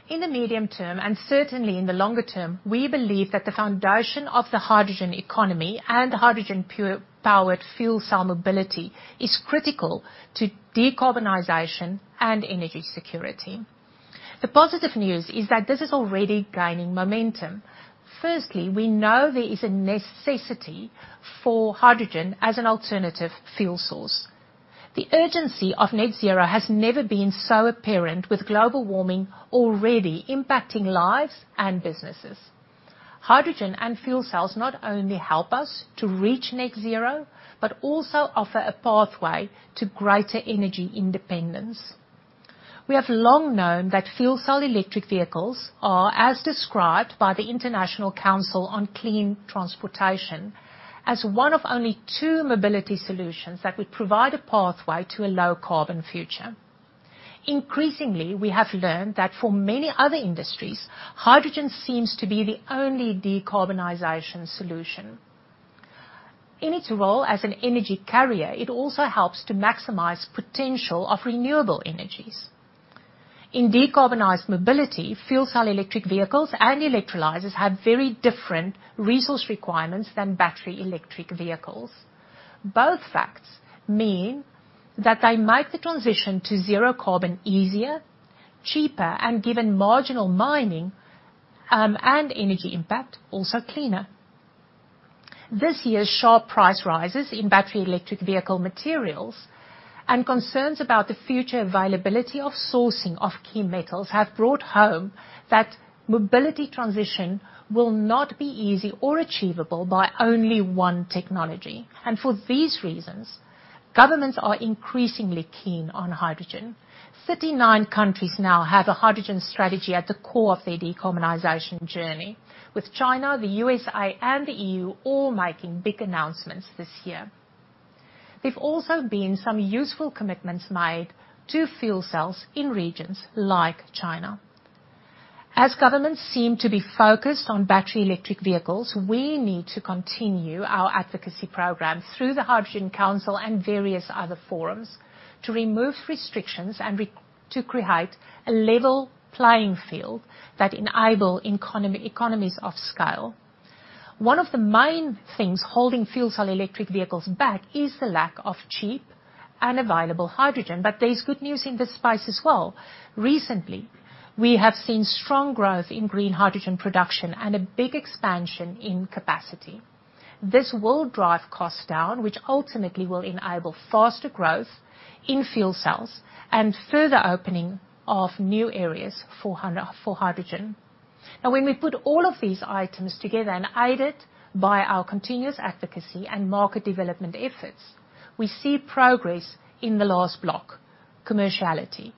In the medium term, and certainly in the longer term, we believe that the foundation of the hydrogen economy and hydrogen pure-powered fuel cell mobility is critical to decarbonization and energy security. The positive news is that this is already gaining momentum. Firstly, we know there is a necessity for hydrogen as an alternative fuel source. The urgency of net zero has never been so apparent with global warming already impacting lives and businesses. Hydrogen and fuel cells not only help us to reach net zero, but also offer a pathway to greater energy independence. We have long known that fuel cell electric vehicles are, as described by the International Council on Clean Transportation, as one of only two mobility solutions that would provide a pathway to a low carbon future. Increasingly, we have learned that for many other industries, hydrogen seems to be the only decarbonization solution. In its role as an energy carrier, it also helps to maximize potential of renewable energies. In decarbonized mobility, fuel cell electric vehicles and electrolyzers have very different resource requirements than battery electric vehicles. Both facts mean that they make the transition to zero carbon easier, cheaper, and given marginal mining, and energy impact also cleaner. This year's sharp price rises in battery electric vehicle materials and concerns about the future availability of sourcing of key metals have brought home that mobility transition will not be easy or achievable by only one technology. For these reasons, governments are increasingly keen on hydrogen. 39 countries now have a hydrogen strategy at the core of their decarbonization journey, with China, the USA, and the EU all making big announcements this year. There've also been some useful commitments made to fuel cells in regions like China. As governments seem to be focused on battery electric vehicles, we need to continue our advocacy program through the Hydrogen Council and various other forums to remove restrictions and to create a level playing field that enable economies of scale. One of the main things holding fuel cell electric vehicles back is the lack of cheap and available hydrogen, but there is good news in this space as well. Recently, we have seen strong growth in green hydrogen production and a big expansion in capacity. This will drive costs down, which ultimately will enable faster growth in fuel cells and further opening of new areas for hydrogen. Now, when we put all of these items together, and aided by our continuous advocacy and market development efforts, we see progress in the last block, commerciality.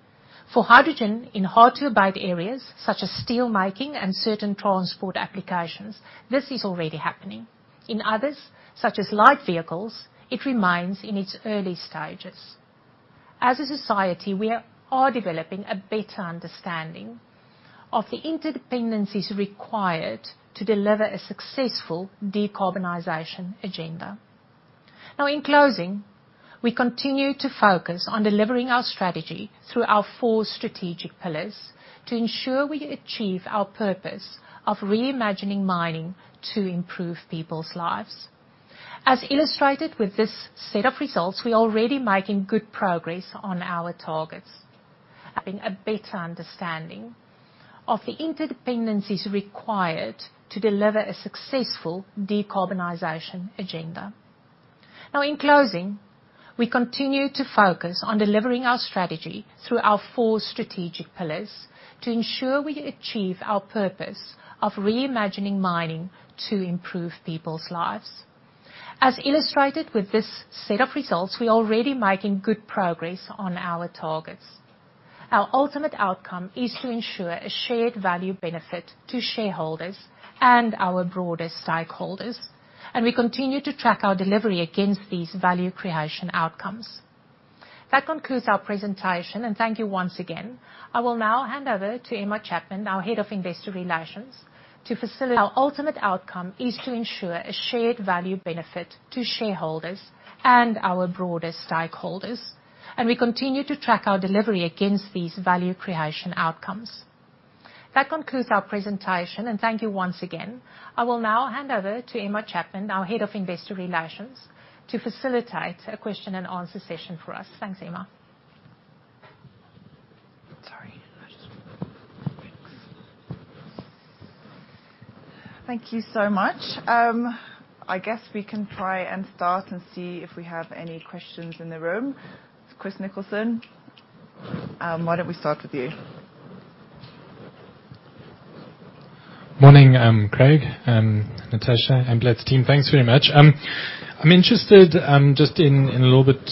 For hydrogen in hard-to-abate areas, such as steel making and certain transport applications, this is already happening. In others, such as light vehicles, it remains in its early stages. As a society, we are developing a better understanding of the interdependencies required to deliver a successful decarbonization agenda. Now, in closing, we continue to focus on delivering our strategy through our four strategic pillars to ensure we achieve our purpose of reimagining mining to improve people's lives. As illustrated with this set of results, we are already making good progress on our targets. Having a better understanding of the interdependencies required to deliver a successful decarbonization agenda. Now, in closing, we continue to focus on delivering our strategy through our four strategic pillars to ensure we achieve our purpose of reimagining mining to improve people's lives. As illustrated with this set of results, we are already making good progress on our targets. Our ultimate outcome is to ensure a shared value benefit to shareholders and our broader stakeholders, and we continue to track our delivery against these value creation outcomes. That concludes our presentation, and thank you once again. I will now hand over to Emma Chapman, our Head of Investor Relations to facilitate a question and answer session for us. Thanks, Emma. Sorry. Thanks. Thank you so much. I guess we can try and start and see if we have any questions in the room. Chris Nicholson, why don't we start with you? Morning, Craig Miller, Natascha Viljoen, and Glencore team. Thanks very much. I'm interested just in a little bit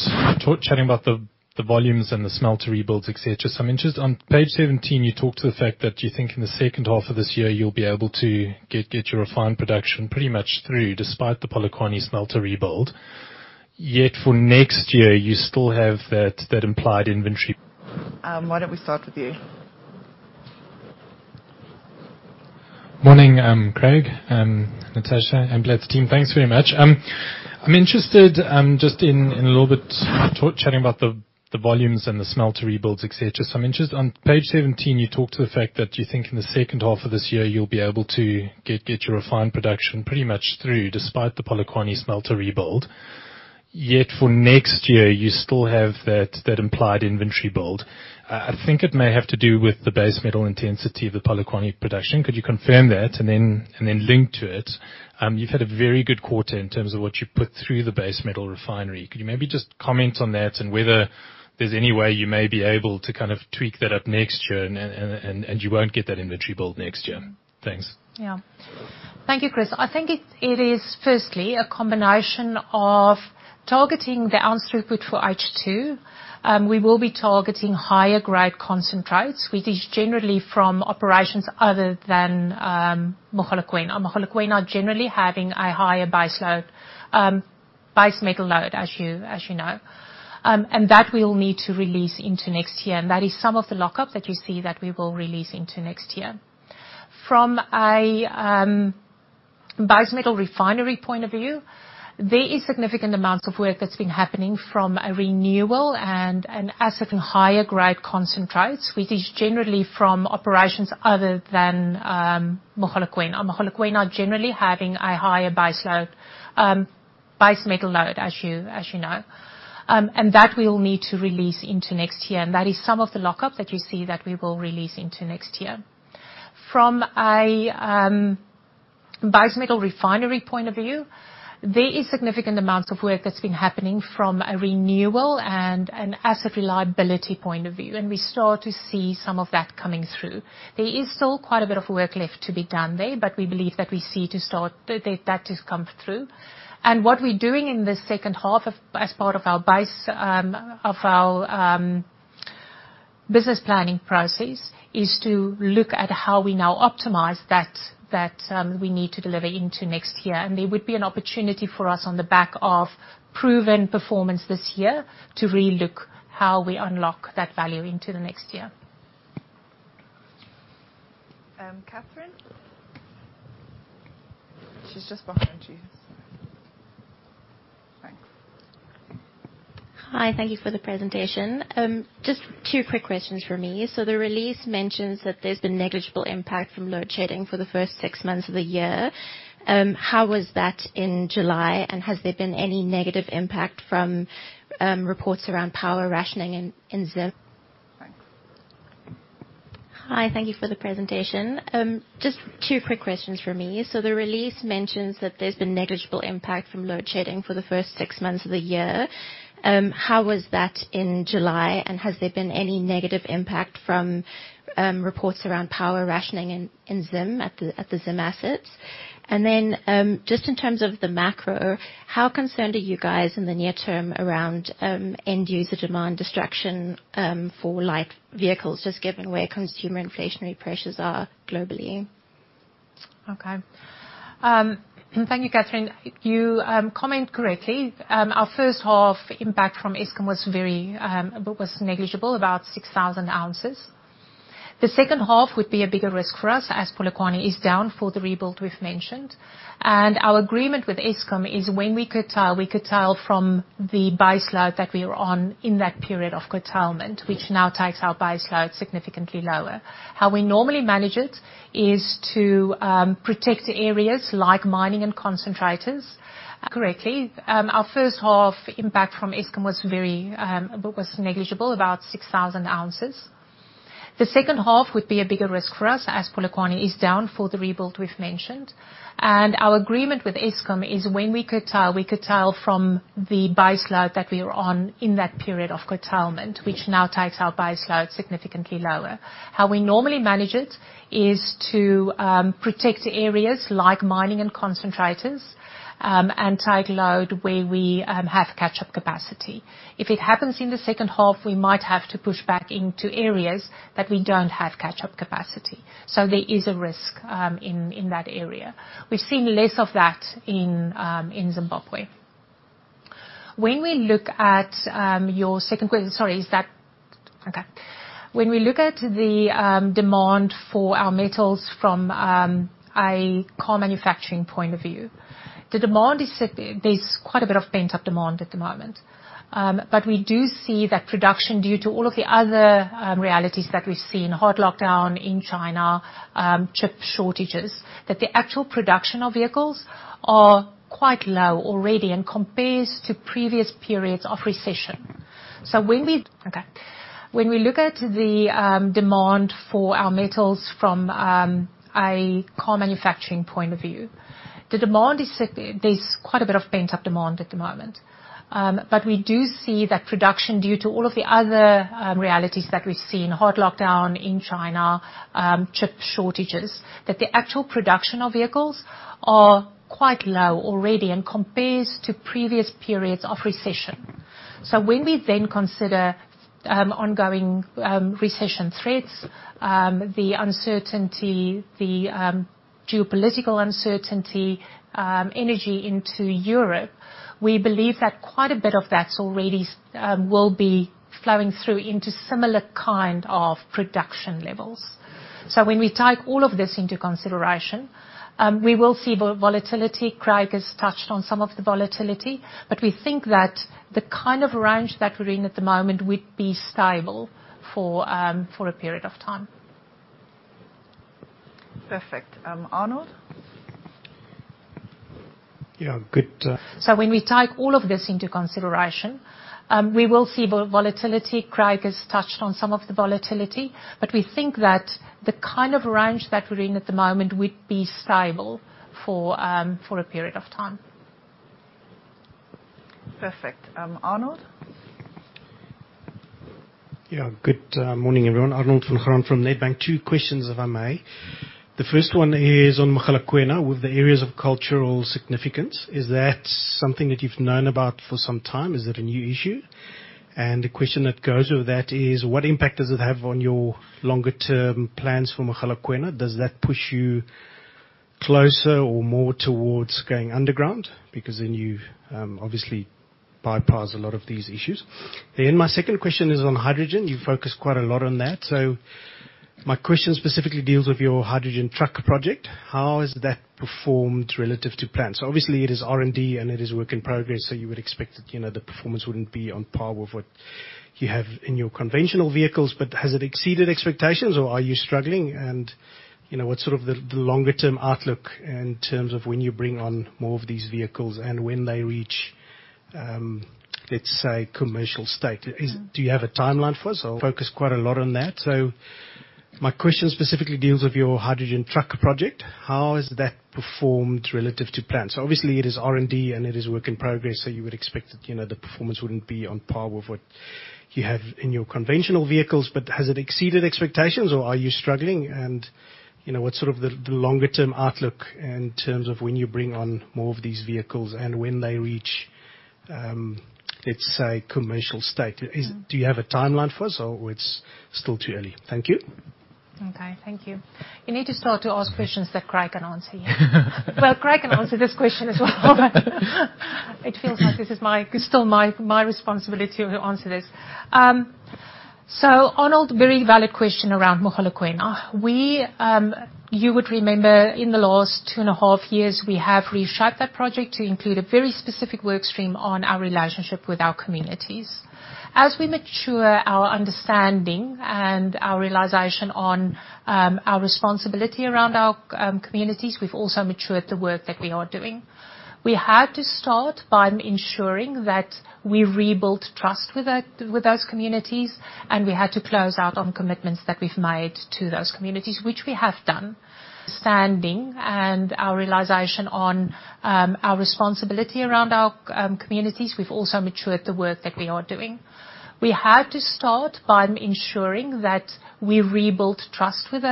talk, chatting about the volumes and the smelter rebuilds, et cetera. I'm interested, on page 17 you talk to the fact that you think in the second half of this year you'll be able to get your refined production pretty much through despite the Polokwane smelter rebuild. Yet for next year, you still have that implied inventory build. I think it may have to do with the base metal intensity of the Polokwane production. Could you confirm that? Then linked to it, you've had a very good quarter in terms of what you put through the base metal refinery. Could you maybe just comment on that and whether there's any way you may be able to kind of tweak that up next year and you won't get that inventory build next year? Thanks. Yeah. Thank you, Chris. I think it is firstly a combination of targeting the ounce throughput for H2. We will be targeting higher grade concentrates, which is generally from operations other than Mogalakwena. Now, Mogalakwena not generally having a higher base metal load, as you know. That we'll need to release into next year, and that is some of the lockup that you see that we will release into next year. From a base metal refinery point of view, there is significant amounts of work that's been happening from a renewal and an asset and higher grade concentrates, which is generally from operations other than Mogalakwena. Now, Mogalakwena not generally having a higher base metal load, as you know. That we'll need to release into next year, and that is some of the lockup that you see that we will release into next year. From a base metal refinery point of view, there is significant amounts of work that's been happening from a renewal and an asset reliability point of view, and we start to see some of that coming through. There is still quite a bit of work left to be done there, but we believe that we start to see that that has come through. What we're doing in the second half, as part of our business planning process, is to look at how we now optimize that we need to deliver into next year. There would be an opportunity for us on the back of proven performance this year to relook how we unlock that value into the next year. Catherine. She's just behind you. Thanks. Hi. Thank you for the presentation. Just two quick questions from me. The release mentions that there's been negligible impact from load shedding for the first six months of the year. How was that in July, and has there been any negative impact from reports around power rationing in Zim at the Zim assets? Just in terms of the macro, how concerned are you guys in the near term around end user demand destruction for, like, vehicles, just given where consumer inflationary pressures are globally? Okay. Thank you, Catherine. You comment correctly. Our first half impact from Eskom was very negligible, about 6,000 ounces. The second half would be a bigger risk for us, as Polokwane is down for the rebuild we've mentioned. Our agreement with Eskom is when we curtail, we curtail from the base load that we're on in that period of curtailment, which now takes our base load significantly lower. How we normally manage it is to protect areas like mining and concentrators correctly. Our first half impact from Eskom was very negligible, about 6,000 ounces. The second half would be a bigger risk for us, as Polokwane is down for the rebuild we've mentioned. Our agreement with Eskom is when we curtail, we curtail from the base load that we're on in that period of curtailment, which now takes our base load significantly lower. How we normally manage it is to protect areas like mining and concentrators and take load where we have catch-up capacity. If it happens in the second half, we might have to push back into areas that we don't have catch-up capacity. There is a risk in that area. We've seen less of that in Zimbabwe. When we look at the demand for our metals from a car manufacturing point of view, there's quite a bit of pent-up demand at the moment. We do see that production, due to all of the other realities that we've seen, hard lockdown in China, chip shortages, that the actual production of vehicles are quite low already and compares to previous periods of recession. When we look at the demand for our metals from a car manufacturing point of view, there's quite a bit of pent-up demand at the moment. When we then consider ongoing recession threats, the uncertainty, the geopolitical uncertainty, energy into Europe, we believe that quite a bit of that already will be flowing through into similar kind of production levels. When we take all of this into consideration, we will see volatility. Craig has touched on some of the volatility. We think that the kind of range that we're in at the moment would be stable for a period of time. Perfect. Arnold? Yeah. Good morning, everyone. Arnold van Graan from Nedbank. Two questions, if I may. The first one is on Mogalakwena, with the areas of cultural significance. Is that something that you've known about for some time? Is it a new issue? The question that goes with that is, what impact does it have on your longer term plans for Mogalakwena? Does that push you closer or more towards going underground? Because then you've obviously bypassed a lot of these issues. My second question is on hydrogen. You've focused quite a lot on that, so my question specifically deals with your hydrogen truck project. How has that performed relative to plan? So obviously it is R&D and it is work in progress, so you would expect that, you know, the performance wouldn't be on par with what you have in your conventional vehicles. Has it exceeded expectations or are you struggling? You know, what's sort of the longer term outlook in terms of when you bring on more of these vehicles and when they reach, let's say commercial state. Do you have a timeline for us or focus quite a lot on that? My question specifically deals with your hydrogen truck project. How has that performed relative to plan? Obviously it is R&D, and it is work in progress, so you would expect that, you know, the performance wouldn't be on par with what you have in your conventional vehicles. Has it exceeded expectations, or are you struggling? You know, what's sort of the longer-term outlook in terms of when you bring on more of these vehicles and when they reach, let's say, commercial state. Do you have a timeline for us, or it's still too early? Thank you. Okay. Thank you. You need to start to ask questions that Craig Miller can answer here. Well, Craig Miller can answer this question as well. It feels like this is still my responsibility to answer this. Arnold, very valid question around Mogalakwena. You would remember in the last two and a half years, we have reshaped that project to include a very specific work stream on our relationship with our communities. As we mature our understanding and our realization on our responsibility around our communities, we've also matured the work that we are doing. We had to start by ensuring that we rebuilt trust with those communities, and we had to close out on commitments that we've made to those communities, which we have done. Standing on our realization of our responsibility around our communities, we've also matured the work that we are doing. We had to start by ensuring that we rebuilt trust with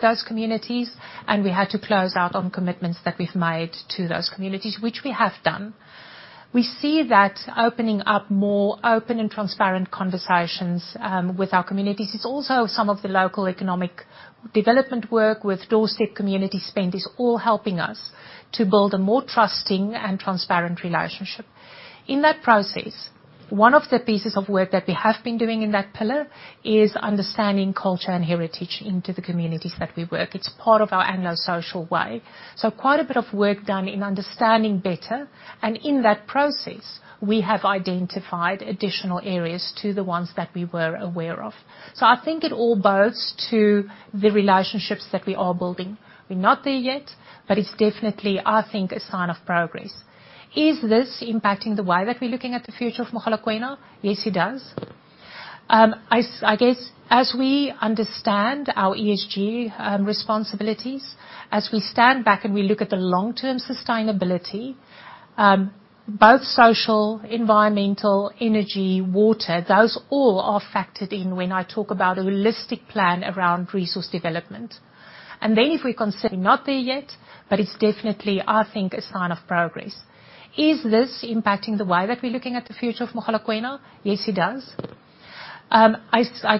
those communities, and we had to close out on commitments that we've made to those communities, which we have done. We see that opening up more open and transparent conversations with our communities. It's also some of the local economic development work with Doorstep community spend is all helping us to build a more trusting and transparent relationship. In that process, one of the pieces of work that we have been doing in that pillar is understanding culture and heritage into the communities that we work. It's part of our Anglo Social Way. Quite a bit of work done in understanding better, and in that process, we have identified additional areas to the ones that we were aware of. I think it all bodes to the relationships that we are building. We're not there yet, but it's definitely, I think, a sign of progress. Is this impacting the way that we're looking at the future of Mogalakwena? Yes, it does. I guess as we understand our ESG responsibilities, as we stand back and we look at the long-term sustainability, both social, environmental, energy, water, those all are factored in when I talk about a holistic plan around resource development. I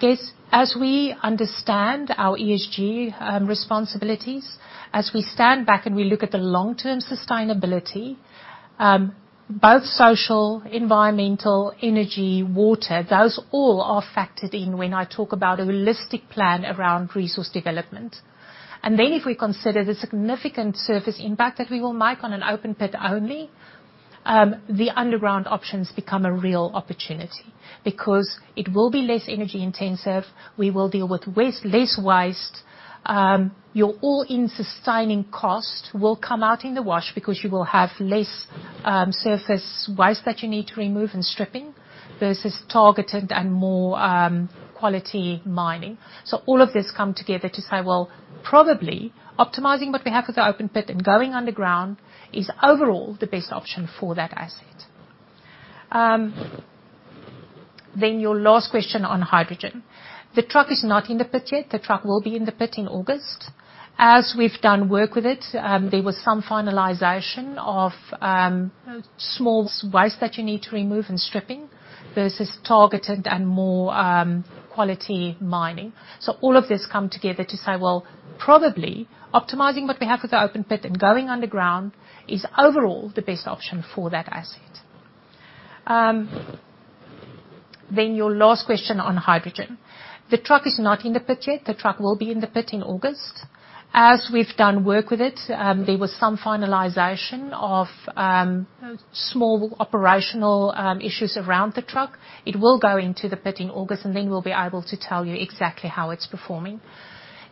guess as we understand our ESG responsibilities, as we stand back and we look at the long-term sustainability, both social, environmental, energy, water, those all are factored in when I talk about a holistic plan around resource development. Then if we consider the significant surface impact that we will make on an open pit only, the underground options become a real opportunity because it will be less energy-intensive. We will deal with less waste. Your All-in Sustaining Cost will come out in the wash because you will have less surface waste that you need to remove in stripping versus targeted and more quality mining. All of this come together to say, well, probably optimizing what we have with the open pit and going underground is overall the best option for that asset. Your last question on hydrogen. The truck is not in the pit yet. The truck will be in the pit in August. As we've done work with it, there was some finalization of small waste that you need to remove in stripping versus targeted and more quality mining. All of this come together to say, well, probably optimizing what we have with the open pit and going underground is overall the best option for that asset. Your last question on hydrogen. The truck is not in the pit yet. The truck will be in the pit in August. As we've done work with it, there was some finalization of small operational issues around the truck. It will go into the pit in August, and then we'll be able to tell you exactly how it's performing.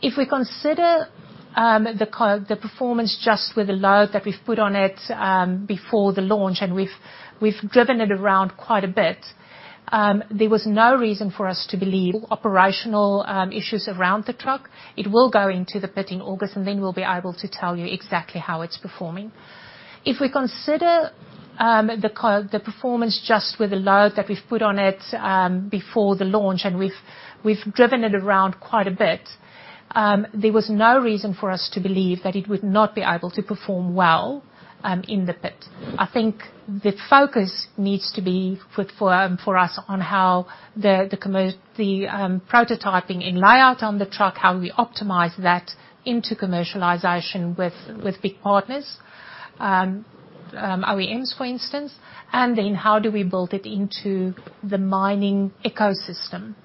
If we consider the performance just with the load that we've put on it before the launch, and we've driven it around quite a bit, there was no reason for us to believe operational issues around the truck. It will go into the pit in August, and then we'll be able to tell you exactly how it's performing. If we consider the performance just with the load that we've put on it before the launch, and we've driven it around quite a bit, there was no reason for us to believe that it would not be able to perform well in the pit. I think the focus needs to be for us on how the prototyping and layout on the truck, how we optimize that into commercialization with big partners, OEMs for instance, and then how do we build it into the mining ecosystem,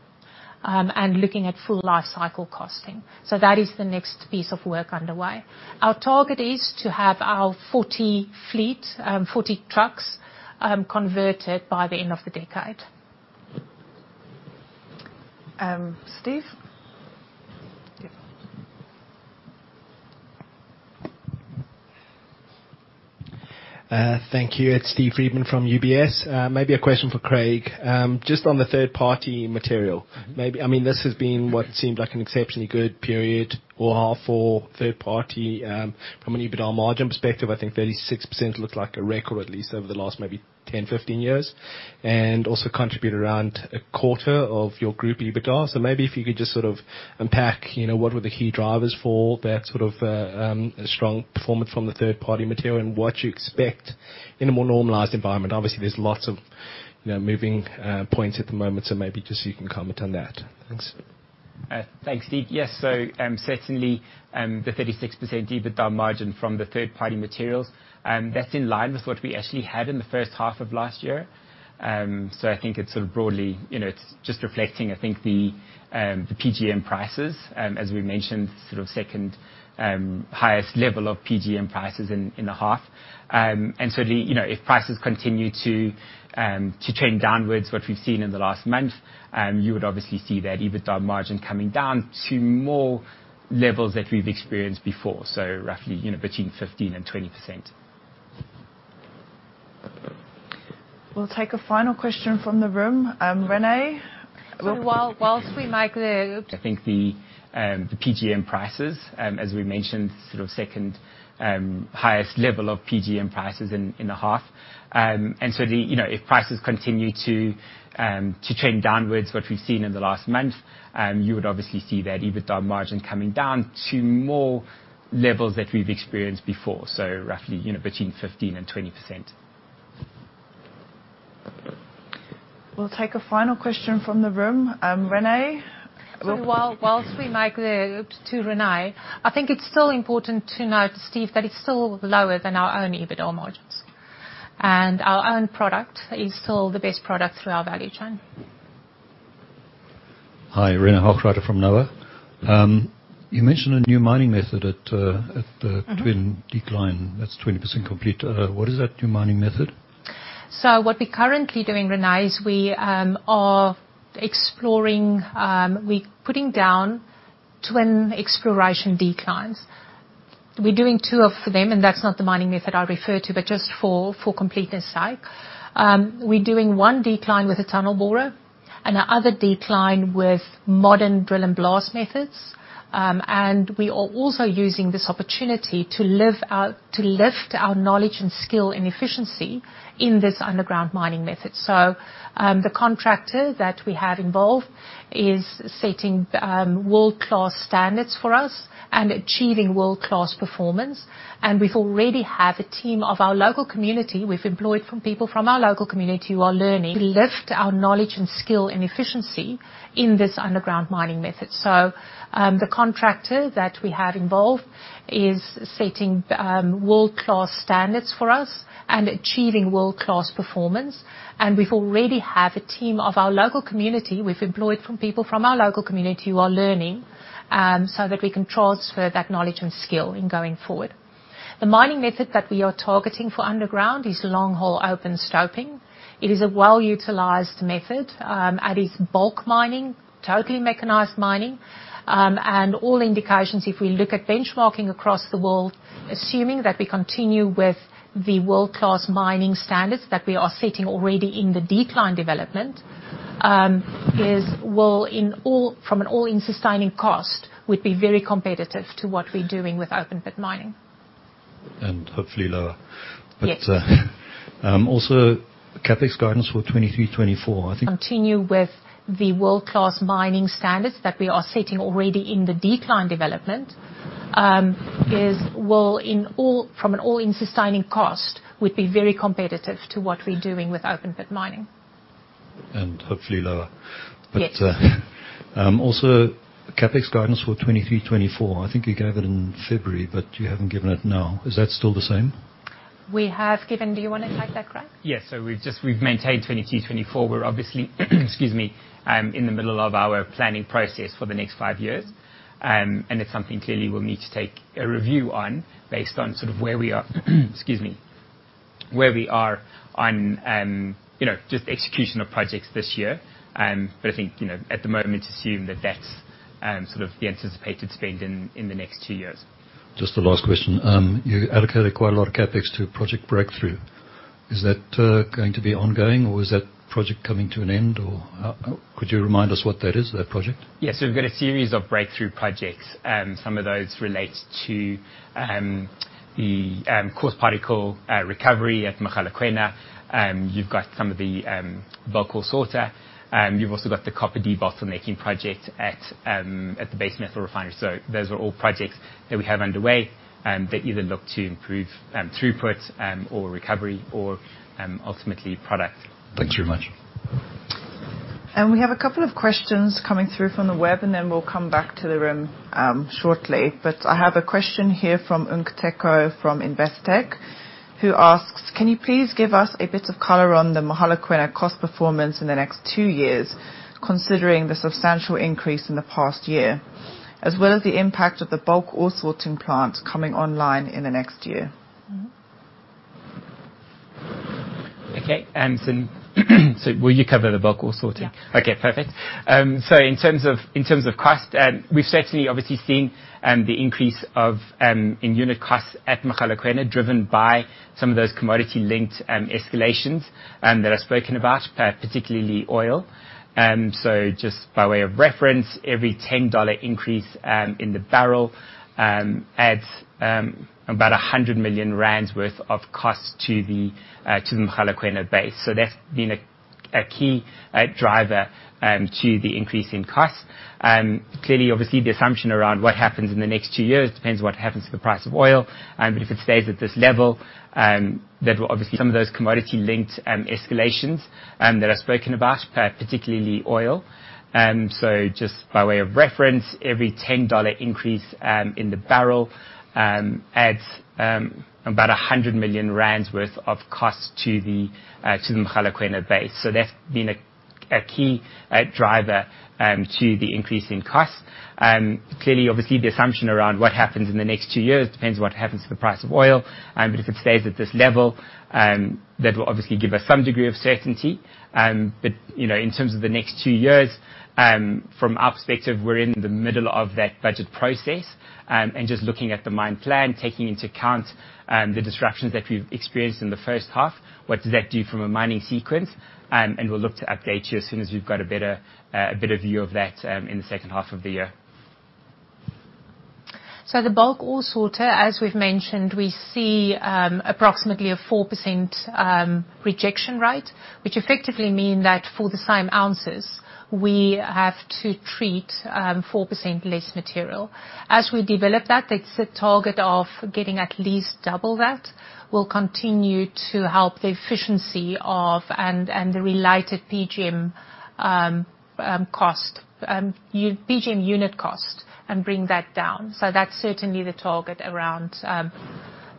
and looking at full lifecycle costing. That is the next piece of work underway. Our target is to have our 40 fleet, 40 trucks, converted by the end of the decade. Steve? Thank you. It's Steve Friedman from UBS. Maybe a question for Craig. Just on the third-party material. I mean, this has been what seems like an exceptionally good period or half for third-party from an EBITDA margin perspective. I think 36% looks like a record, at least over the last maybe 10, 15 years, and also contributed around a quarter of your group EBITDA. Maybe if you could just sort of unpack, you know, what were the key drivers for that sort of strong performance from the third-party material and what you expect in a more normalized environment. Obviously, there's lots of, you know, moving points at the moment, so maybe just so you can comment on that. Thanks. Thanks, Steve. Yes. Certainly, the 36% EBITDA margin from the third-party materials, that's in line with what we actually had in the first half of last year. I think it's sort of broadly, you know, it's just reflecting, I think, the PGM prices, as we mentioned, sort of second highest level of PGM prices in the half. You know, if prices continue to trend downwards, what we've seen in the last month, you would obviously see that EBITDA margin coming down to more levels that we've experienced before. Roughly, you know, between 15%-20%. We'll take a final question from the room. René. To René, I think it's still important to note, Steve, that it's still lower than our own EBITDA margins, and our own product is still the best product through our value chain. Hi. René Hochreiter from Noah. You mentioned a new mining method at the twin decline that's 20% complete. What is that new mining method? What we're currently doing, René, is we are exploring, we're putting down twin exploration declines. We're doing two of them, and that's not the mining method I referred to, but just for completeness sake. We're doing one decline with a tunnel borer and another decline with modern drill and blast methods. We are also using this opportunity to lift our knowledge and skill and efficiency in this underground mining method. The contractor that we have involved is setting world-class standards for us and achieving world-class performance. We already have a team from our local community. We've employed people from our local community who are learning to lift our knowledge and skill and efficiency in this underground mining method. The contractor that we have involved is setting world-class standards for us and achieving world-class performance. We already have a team of our local community. We've employed from people from our local community who are learning, so that we can transfer that knowledge and skill in going forward. The mining method that we are targeting for underground is longhole open stoping. It is a well-utilized method, and it's bulk mining, totally mechanized mining. All indications, if we look at benchmarking across the world, assuming that we continue with the world-class mining standards that we are setting already in the decline development, is well in all from an all-in sustaining cost, would be very competitive to what we're doing with open pit mining. Hopefully lower. Yes. Also CapEx guidance for 2023, 2024, I think you gave it in February, but you haven't given it now. Is that still the same? We have given. Do you wanna take that, Craig? Yes. We've maintained 2022, 2024. We're obviously, excuse me, in the middle of our planning process for the next five years. It's something clearly we'll need to take a review on based on sort of where we are, excuse me, on, you know, just execution of projects this year. I think, you know, at the moment assume that that's sort of the anticipated spend in the next two years. Just a last question. You allocated quite a lot of CapEx to project breakthrough. Is that going to be ongoing or is that project coming to an end? Or could you remind us what that is, that project? Yes. We've got a series of breakthrough projects, and some of those relate to the coarse particle recovery at Mogalakwena. You've got some of the bulk ore sorting. You've also got the copper debottlenecking project at the base metal refinery. Those are all projects that we have underway that either look to improve throughput or recovery or ultimately product. Thanks very much. We have a couple of questions coming through from the web, and then we'll come back to the room, shortly. I have a question here from Nkateko from Investec, who asks, "Can you please give us a bit of color on the Mogalakwena cost performance in the next two years, considering the substantial increase in the past year, as well as the impact of the bulk ore sorting plant coming online in the next year? Okay. Will you cover the bulk ore sorting? Yeah. Okay, perfect. In terms of cost, we've certainly obviously seen the increase in unit costs at Mogalakwena, driven by some of those commodity-linked escalations that I've spoken about, particularly oil. Just by way of reference, every $10 increase in the barrel adds about 100 million rand worth of cost to the Mogalakwena base. That's been a key driver to the increase in costs. Clearly, obviously, the assumption around what happens in the next two years depends what happens to the price of oil, but if it stays at this level, that will obviously some of those commodity-linked escalations that I've spoken about, particularly oil. Just by way of reference, every $10 increase in the barrel adds about 100 million rand worth of cost to the Mogalakwena base. That's been a key driver to the increase in costs. Clearly, obviously, the assumption around what happens in the next two years depends on what happens to the price of oil, but if it stays at this level, that will obviously give us some degree of certainty. You know, in terms of the next two years, from our perspective, we're in the middle of that budget process, and just looking at the mine plan, taking into account the disruptions that we've experienced in the first half, what does that do from a mining sequence? We'll look to update you as soon as we've got a better view of that in the second half of the year. The bulk ore sorter, as we've mentioned, we see approximately a 4% rejection rate, which effectively mean that for the same ounces, we have to treat 4% less material. As we develop that, it's a target of getting at least double that. We'll continue to help the efficiency and the related PGM unit cost and bring that down. That's certainly the target around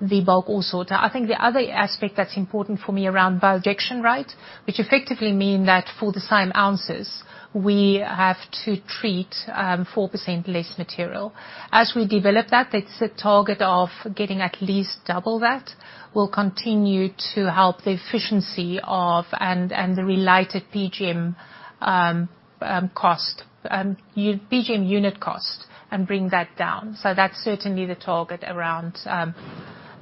the bulk ore sorter. I think the other aspect that's important for me around both rejection rate, which effectively mean that for the same ounces, we have to treat 4% less material. As we develop that, it's a target of getting at least double that. We'll continue to help the efficiency and the related PGM unit cost and bring that down. That's certainly the target around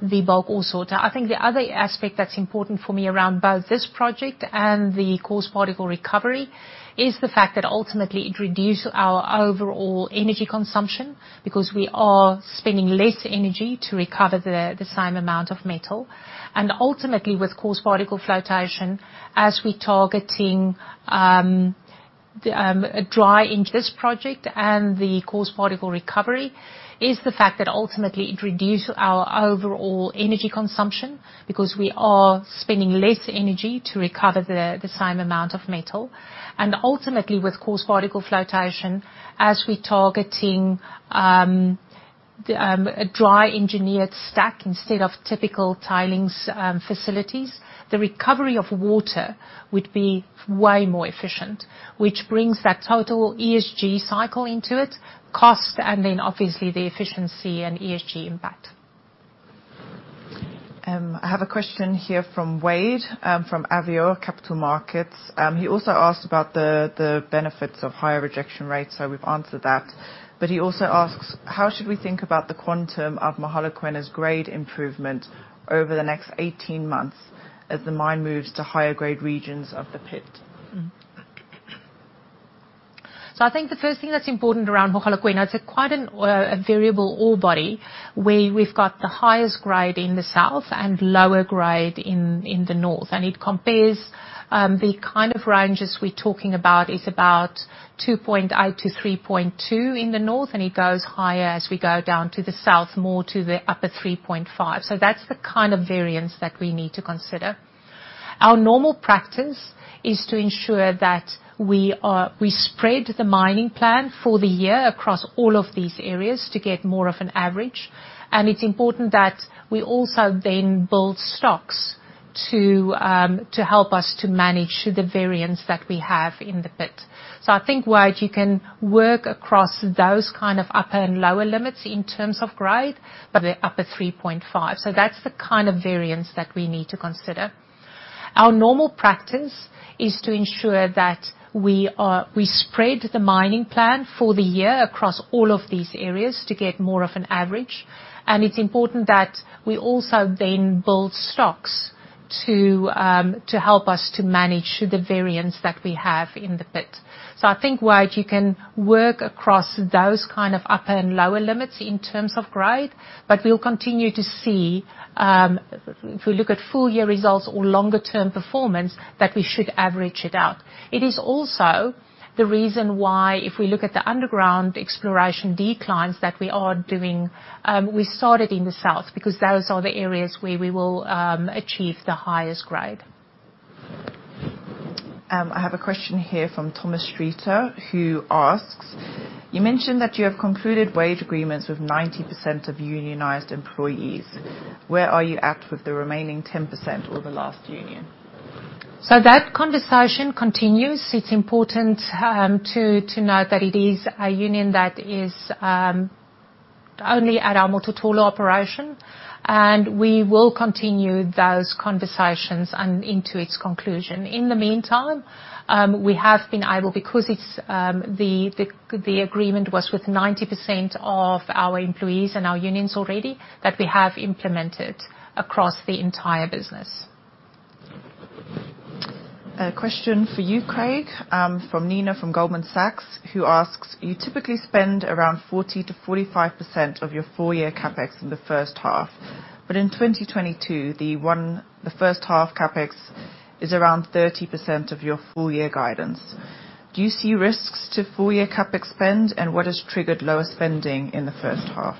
the bulk ore sorting. I think the other aspect that's important for me around both this project and the coarse particle recovery is the fact that ultimately it reduce our overall energy consumption because we are spending less energy to recover the same amount of metal. Ultimately, with coarse particle flotation, as we targeting, a dry engineered stack instead of typical tailings facilities, the recovery of water would be way more efficient, which brings that total ESG cycle into it, cost, and then obviously the efficiency and ESG impact. I have a question here from Wade, from Avior Capital Markets. He also asked about the benefits of higher rejection rates, so we've answered that. He also asks: How should we think about the quantum of Mogalakwena's grade improvement over the next 18 months as the mine moves to higher grade regions of the pit? I think the first thing that's important around Mogalakwena, it's quite a variable ore body, where we've got the highest grade in the south and lower grade in the north. It compares, the kind of ranges we're talking about is about 2.8-3.2 in the north, and it goes higher as we go down to the south, more to the upper 3.5. That's the kind of variance that we need to consider. Our normal practice is to ensure that we spread the mining plan for the year across all of these areas to get more of an average. It's important that we also then build stocks to help us to manage the variance that we have in the pit. I think, Wade, you can work across those kind of upper and lower limits in terms of grade, but the upper 3.5. That's the kind of variance that we need to consider. Our normal practice is to ensure that we spread the mining plan for the year across all of these areas to get more of an average. It's important that we also then build stocks to help us to manage the variance that we have in the pit. I think, Wade, you can work across those kind of upper and lower limits in terms of grade. We'll continue to see, if we look at full year results or longer term performance, that we should average it out. It is also the reason why if we look at the underground exploration declines that we are doing, we started in the south because those are the areas where we will achieve the highest grade. I have a question here from Thomas Streeter who asks: You mentioned that you have concluded wage agreements with 90% of unionized employees. Where are you at with the remaining 10% or the last union? That conversation continues. It's important to note that it is a union that is only at our Mototolo operation. We will continue those conversations and into its conclusion. In the meantime, we have been able, because it's the agreement was with 90% of our employees and our unions already, that we have implemented across the entire business. A question for you, Craig. From Nina from Goldman Sachs, who asks, you typically spend around 40-45% of your full year CapEx in the first half. In 2022, the first half CapEx is around 30% of your full year guidance. Do you see risks to full year CapEx spend, and what has triggered lower spending in the first half?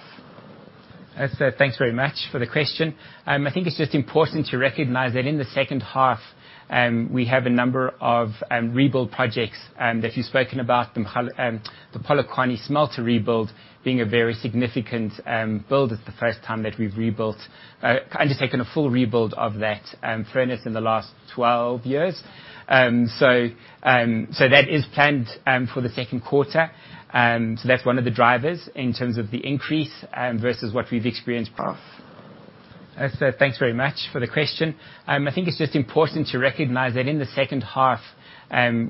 Thanks very much for the question. I think it's just important to recognize that in the second half,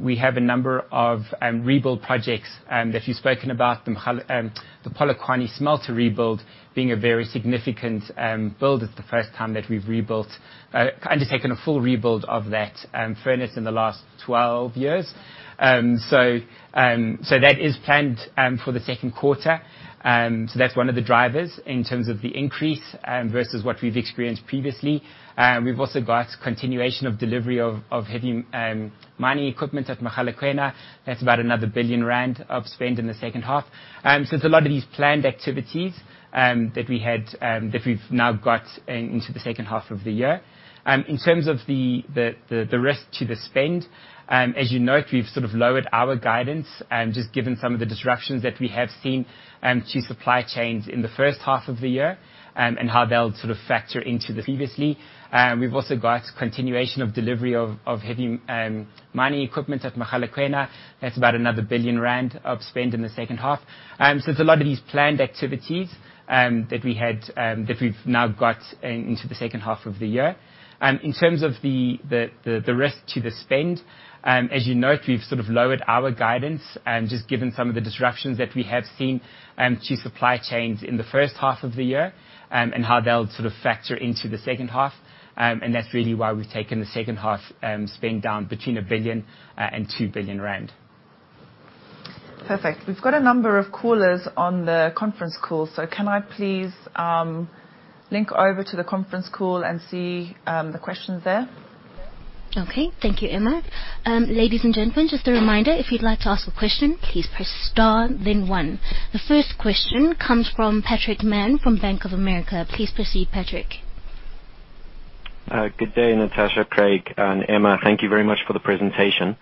we have a number of rebuild projects that you've spoken about. The Polokwane smelter rebuild being a very significant build. It's the first time that we've kind of taken a full rebuild of that furnace in the last 12 years. That is planned for the second quarter. That's one of the drivers in terms of the increase versus what we've experienced previously. We've also got continuation of delivery of heavy mining equipment at Mogalakwena. That's about another 1 billion rand of spend in the second half. It's a lot of these planned activities that we had that we've now got into the second half of the year. In terms of the risk to the spend, as you note, we've sort of lowered our guidance, just given some of the disruptions that we have seen to supply chains in the first half of the year, and how they'll sort of factor into the previously. We've also got continuation of delivery of heavy mining equipment at Mogalakwena. That's about another 1 billion rand of spend in the second half. It's a lot of these planned activities that we had that we've now got into the second half of the year. In terms of the risk to the spend, as you note, we've sort of lowered our guidance just given some of the disruptions that we have seen to supply chains in the first half of the year and how they'll sort of factor into the second half. That's really why we've taken the second half spend down between 1 billion and 2 billion rand. Perfect. We've got a number of callers on the conference call. Can I please link over to the conference call and see the questions there? Okay. Thank you, Emma. Ladies and gentlemen, just a reminder, if you'd like to ask a question, please press star then one. The first question comes from Patrick Mann from Bank of America. Please proceed, Patrick. Good day, Natascha, Craig, and Emma. Thank you very much for the presentation.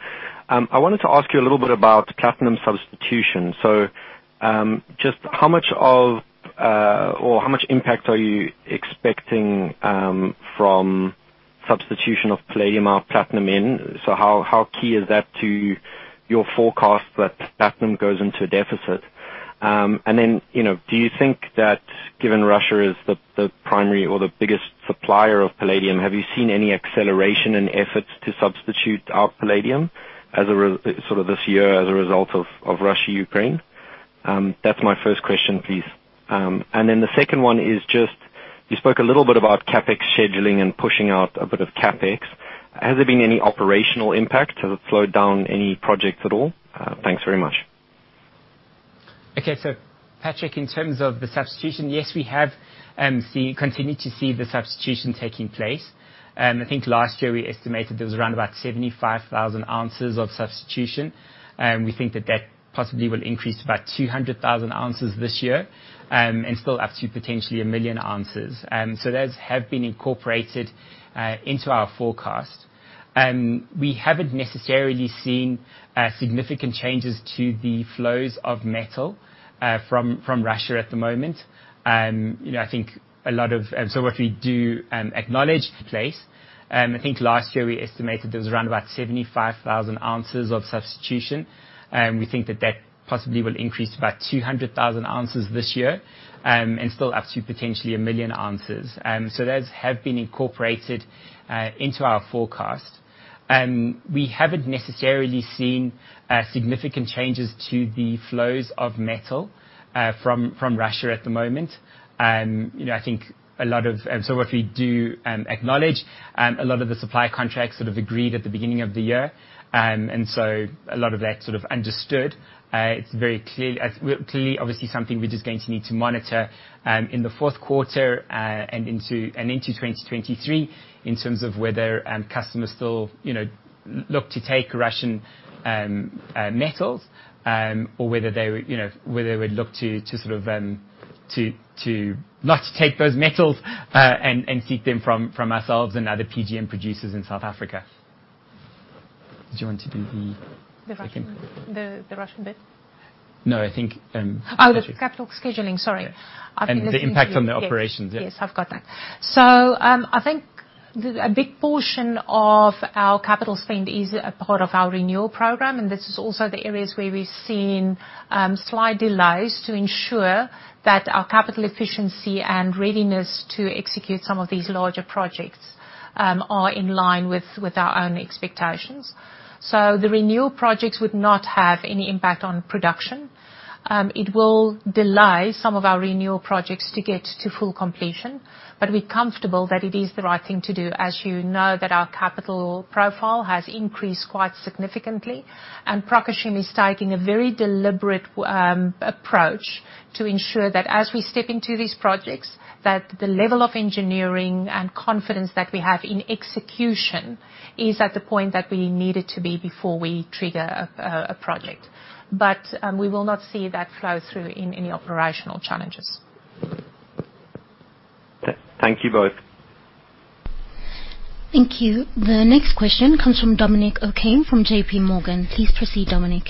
I wanted to ask you a little bit about platinum substitution. How much impact are you expecting from substitution of palladium or platinum in? How key is that to your forecast that platinum goes into deficit? You know, do you think that given Russia is the primary or the biggest supplier of palladium, have you seen any acceleration in efforts to substitute out palladium as a result of this year as a result of Russia, Ukraine? That's my first question, please. The second one is just you spoke a little bit about CapEx scheduling and pushing out a bit of CapEx. Has there been any operational impact? Has it slowed down any projects at all? Thanks very much. Okay. Patrick, in terms of the substitution, yes, we have continued to see the substitution taking place. I think last year we estimated there was around about 75,000 ounces of substitution. We think that possibly will increase to about 200,000 ounces this year, and still up to potentially 1 million ounces. Those have been incorporated into our forecast. We haven't necessarily seen significant changes to the flows of metal from Russia at the moment. You know, I think a lot of what we do acknowledge takes place. I think last year we estimated there was around about 75,000 ounces of substitution. We think that possibly will increase to about 200,000 ounces this year, and still up to potentially 1 million ounces. Those have been incorporated into our forecast. We haven't necessarily seen significant changes to the flows of metal from Russia at the moment. You know, I think a lot of the supply contracts sort of agreed at the beginning of the year. What we do acknowledge, a lot of that sort of understood. It's very clearly, obviously something we're just going to need to monitor in the fourth quarter and into 2023 in terms of whether customers still, you know, look to take Russian metals or whether they would look to sort of not take those metals and seek them from ourselves and other PGM producers in South Africa. Do you want to do the second? The Russian bit? No, I think. Oh, the capital scheduling. Sorry. Yeah. The impact on the operations, yeah. Yes, yes, I've got that. A big portion of our capital spend is a part of our renewal program, and this is also the areas where we've seen slight delays to ensure that our capital efficiency and readiness to execute some of these larger projects are in line with our own expectations. The renewal projects would not have any impact on production. It will delay some of our renewal projects to get to full completion, but we're comfortable that it is the right thing to do. As you know that our capital profile has increased quite significantly, and Progression is taking a very deliberate approach to ensure that as we step into these projects, that the level of engineering and confidence that we have in execution is at the point that we need it to be before we trigger a project. We will not see that flow through in any operational challenges. Thank you, both. Thank you. The next question comes from Dominic O'Kane from J.P. Morgan. Please proceed, Dominic.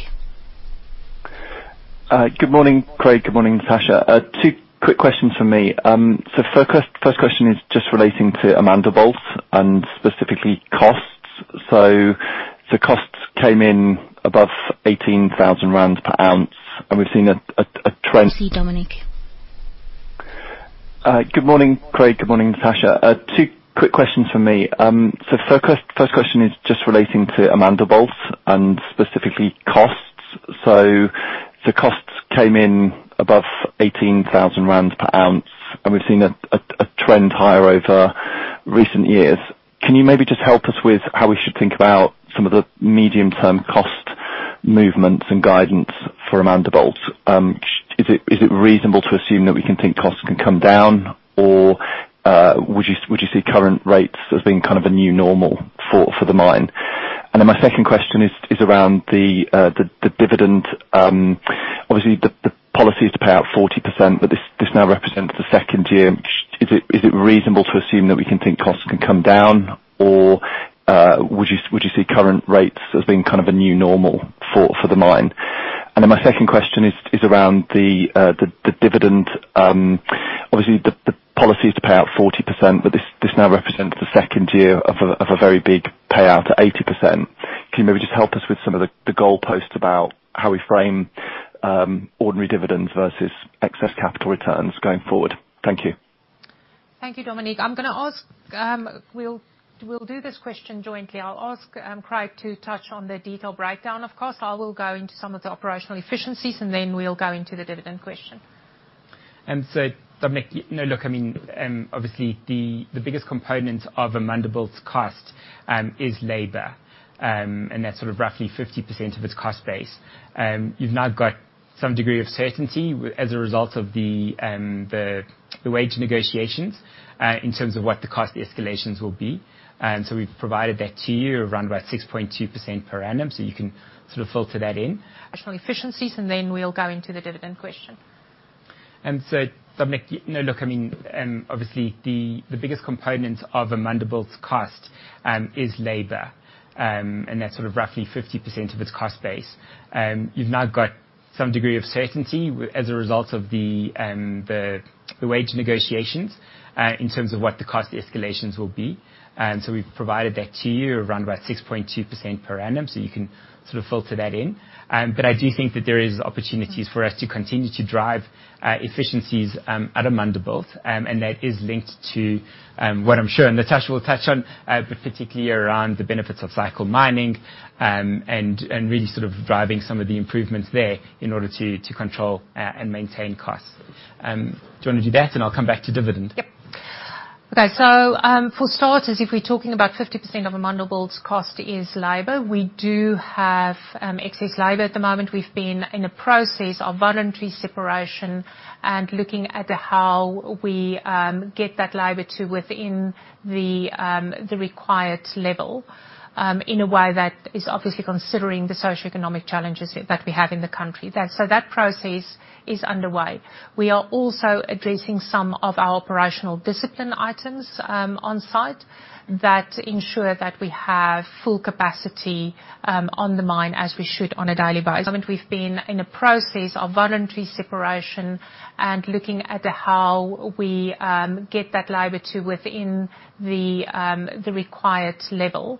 Good morning, Craig. Good morning, Natascha. Two quick questions from me. First question is just relating to Amandelbult and specifically costs. The costs came in above ZAR 18,000 per ounce, and we've seen a trend higher over recent years. Can you maybe just help us with how we should think about some of the medium-term cost movements and guidance for Amandelbult? Is it reasonable to assume that we can think costs can come down, or would you see current rates as being kind of a new normal for the mine? And then my second question is around the dividend. Obviously the policy is to pay out 40%, but this now represents the second year. Is it reasonable to assume that we can think costs can come down, or would you see current rates as being kind of a new normal for the mine? My second question is around the dividend. Obviously the policy is to pay out 40%, but this now represents the second year of a very big payout at 80%. Can you maybe just help us with some of the goalposts about how we frame ordinary dividends versus excess capital returns going forward? Thank you. Thank you, Dominic. I'm gonna ask, we'll do this question jointly. I'll ask, Craig to touch on the detailed breakdown of costs. I will go into some of the operational efficiencies, and then we'll go into the dividend question. Dominic, you know, look, I mean, obviously the biggest component of Amandelbult's cost is labor, and that's sort of roughly 50% of its cost base. You've now got some degree of certainty as a result of the wage negotiations in terms of what the cost escalations will be. We've provided that to you around about 6.2% per annum, so you can sort of filter that in. But I do think that there is opportunities for us to continue to drive efficiencies at Amandelbult, and that is linked to what I'm sure, and Natascha will touch on, but particularly around the benefits of mining cycle, and really sort of driving some of the improvements there in order to control and maintain costs. Do you wanna do that, and I'll come back to dividend? Yep. Okay. For starters, if we're talking about 50% of Amandelbult's cost is labor. We do have excess labor at the moment. We've been in a process of voluntary separation and looking at how we get that labor to within the required level in a way that is obviously considering the socioeconomic challenges that we have in the country. That process is underway. We are also addressing some of our operational discipline items on site that ensure that we have full capacity on the mine as we should on a daily basis. That process is underway. We are also addressing some of our operational discipline items on site that ensure that we have full capacity on the mine as we should on a daily basis. We've been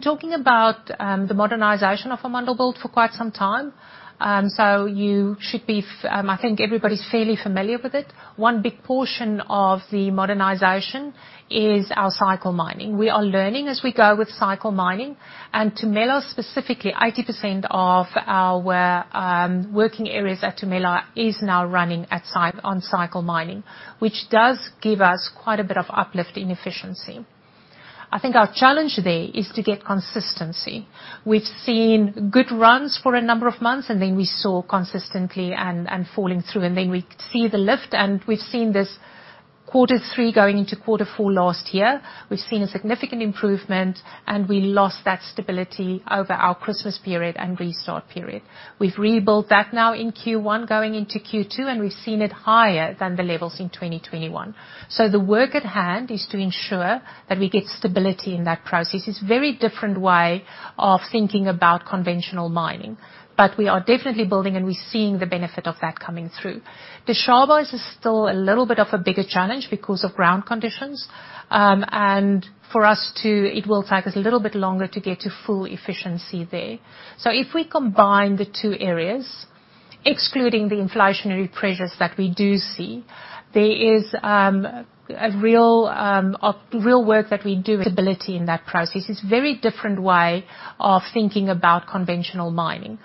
talking about the modernization of Amandelbult for quite some time. You should be, I think everybody's fairly familiar with it. One big portion of the modernization is our mining cycle. We are learning as we go with mining cycle. To Tumela specifically, 80% of our working areas at Tumela is now running on mining cycle, which does give us quite a bit of uplift in efficiency. I think our challenge there is to get consistency. We've seen good runs for a number of months, and then we saw consistently and falling through, and then we see the lift, and we've seen this quarter three going into quarter four last year. We've seen a significant improvement, and we lost that stability over our Christmas period and restart period. We've rebuilt that now in Q1 going into Q2, and we've seen it higher than the levels in 2021. The work at hand is to ensure that we get stability in that process. It's very different way of thinking about conventional mining. We are definitely building, and we're seeing the benefit of that coming through. The Dishaba is still a little bit of a bigger challenge because of ground conditions. It will take us a little bit longer to get to full efficiency there. If we combine the two areas, excluding the inflationary pressures that we do see, there is a real work that we do. Stability in that process. It's very different way of thinking about conventional mining.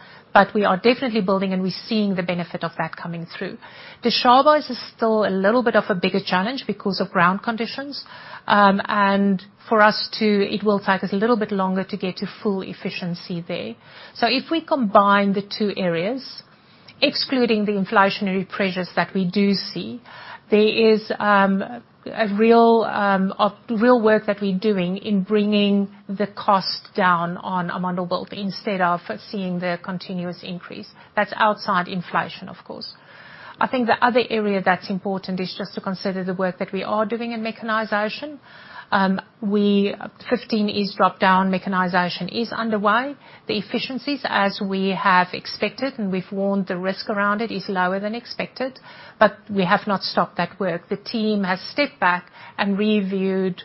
We are definitely building, and we're seeing the benefit of that coming through. The Dishaba is still a little bit of a bigger challenge because of ground conditions. And it will take us a little bit longer to get to full efficiency there. If we combine the two areas, excluding the inflationary pressures that we do see, there is a real work that we're doing in bringing the cost down on Amandelbult instead of seeing the continuous increase. That's outside inflation, of course. I think the other area that's important is just to consider the work that we are doing in mechanization. 15 East drop-down mechanization is underway. The efficiencies, as we have expected and we've warned the risk around it, is lower than expected, but we have not stopped that work. The team has stepped back and reviewed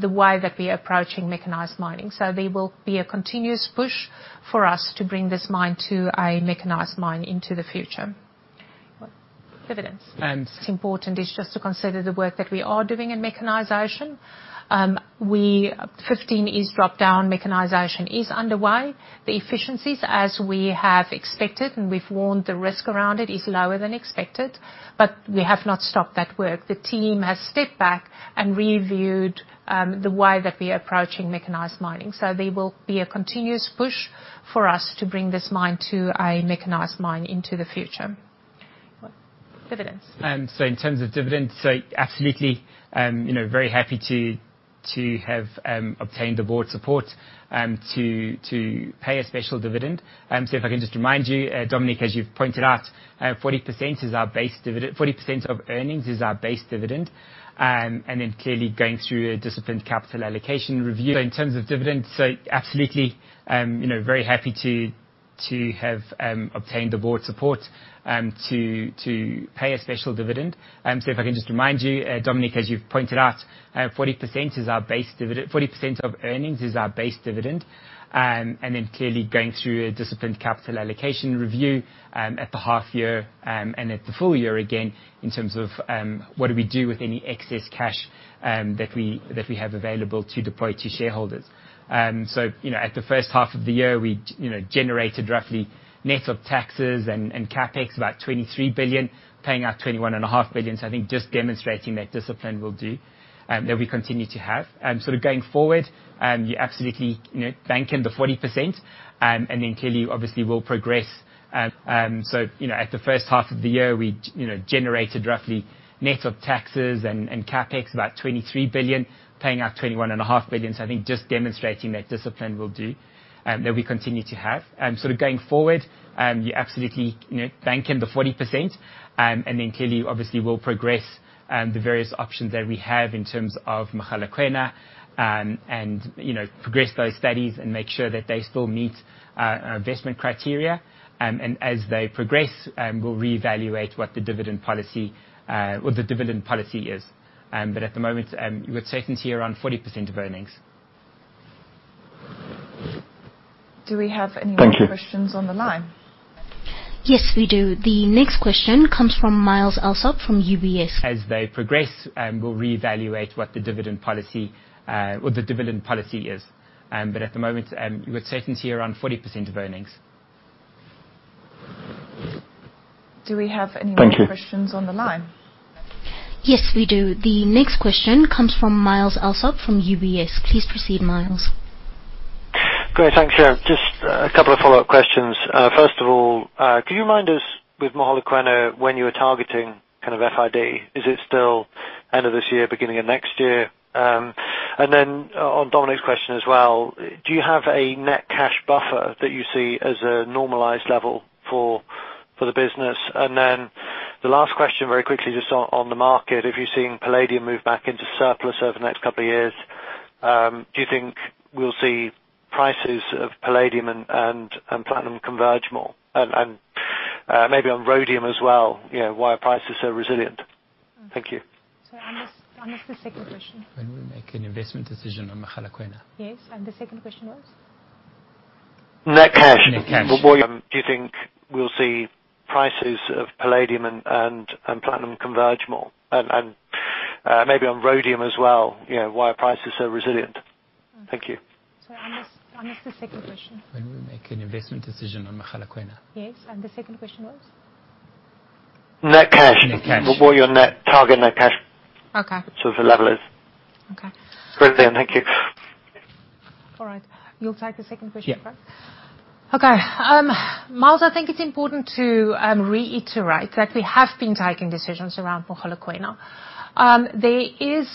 the way that we are approaching mechanized mining. There will be a continuous push for us to bring this mine to a mechanized mine into the future. Dividends. The team has stepped back and reviewed the way that we are approaching mechanized mining. There will be a continuous push for us to bring this mine to a mechanized mine into the future. Dividends. In terms of dividends, absolutely, you know, very happy to have obtained the board support to pay a special dividend. If I can just remind you, Dominic, as you've pointed out, 40% is our base dividend. 40% of earnings is our base dividend. Clearly going through a disciplined capital allocation review. Clearly going through a disciplined capital allocation review, at the half year, and at the full year, again, in terms of, what do we do with any excess cash, that we have available to deploy to shareholders. You know, at the first half of the year, we, you know, generated roughly net of taxes and CapEx about 23 billion, paying out 21.5 billion. I think just demonstrating that discipline will do, that we continue to have. Sort of going forward, you absolutely, you know, bank in the 40%, and then clearly obviously will progress. You know, at the first half of the year we, you know, generated roughly net of taxes and CapEx about 23 billion, paying out 21.5 billion. I think just demonstrating that discipline will do that we continue to have. Sort of going forward, you absolutely, you know, bank on the 40%, and then clearly obviously will progress the various options that we have in terms of Mogalakwena, and, you know, progress those studies and make sure that they still meet our investment criteria. As they progress, we'll reevaluate what the dividend policy is. At the moment, with certainty around 40% of earnings. Do we have any more questions on the line? Yes, we do. The next question comes from Myles Allsop from UBS. Please proceed, Myles. Great. Thanks. Just a couple of follow-up questions. First of all, can you remind us with Mogalakwena when you were targeting kind of FID? Is it still end of this year, beginning of next year? And then on Dominic's question as well, do you have a net cash buffer that you see as a normalized level for the business? And then the last question very quickly, just on the market. If you're seeing palladium move back into surplus over the next couple of years, do you think we'll see prices of palladium and platinum converge more? And maybe on rhodium as well, you know, why price is so resilient? Thank you. I missed the second question. When we make an investment decision on Mogalakwena. Yes. The second question was? Net cash. Net cash. What's your net, target net cash? Okay. Sort of level is. Okay. Great then. Thank you. All right. You'll take the second question, Craig? Yeah. Myles, I think it's important to reiterate that we have been taking decisions around Mogalakwena. There is,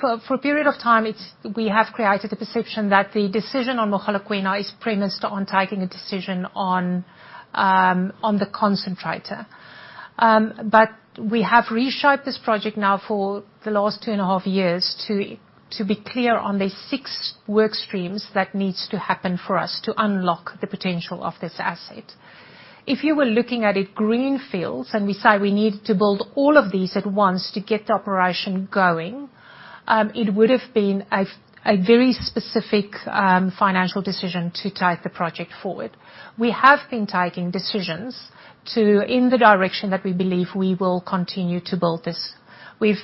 for a period of time, we have created a perception that the decision on Mogalakwena is premised on taking a decision on the concentrator. We have reshaped this project now for the last 2.5 years to be clear on the 6 work streams that needs to happen for us to unlock the potential of this asset. If you were looking at a greenfield and we say we need to build all of these at once to get the operation going, it would have been a very specific financial decision to take the project forward. We have been taking decisions in the direction that we believe we will continue to build this. We've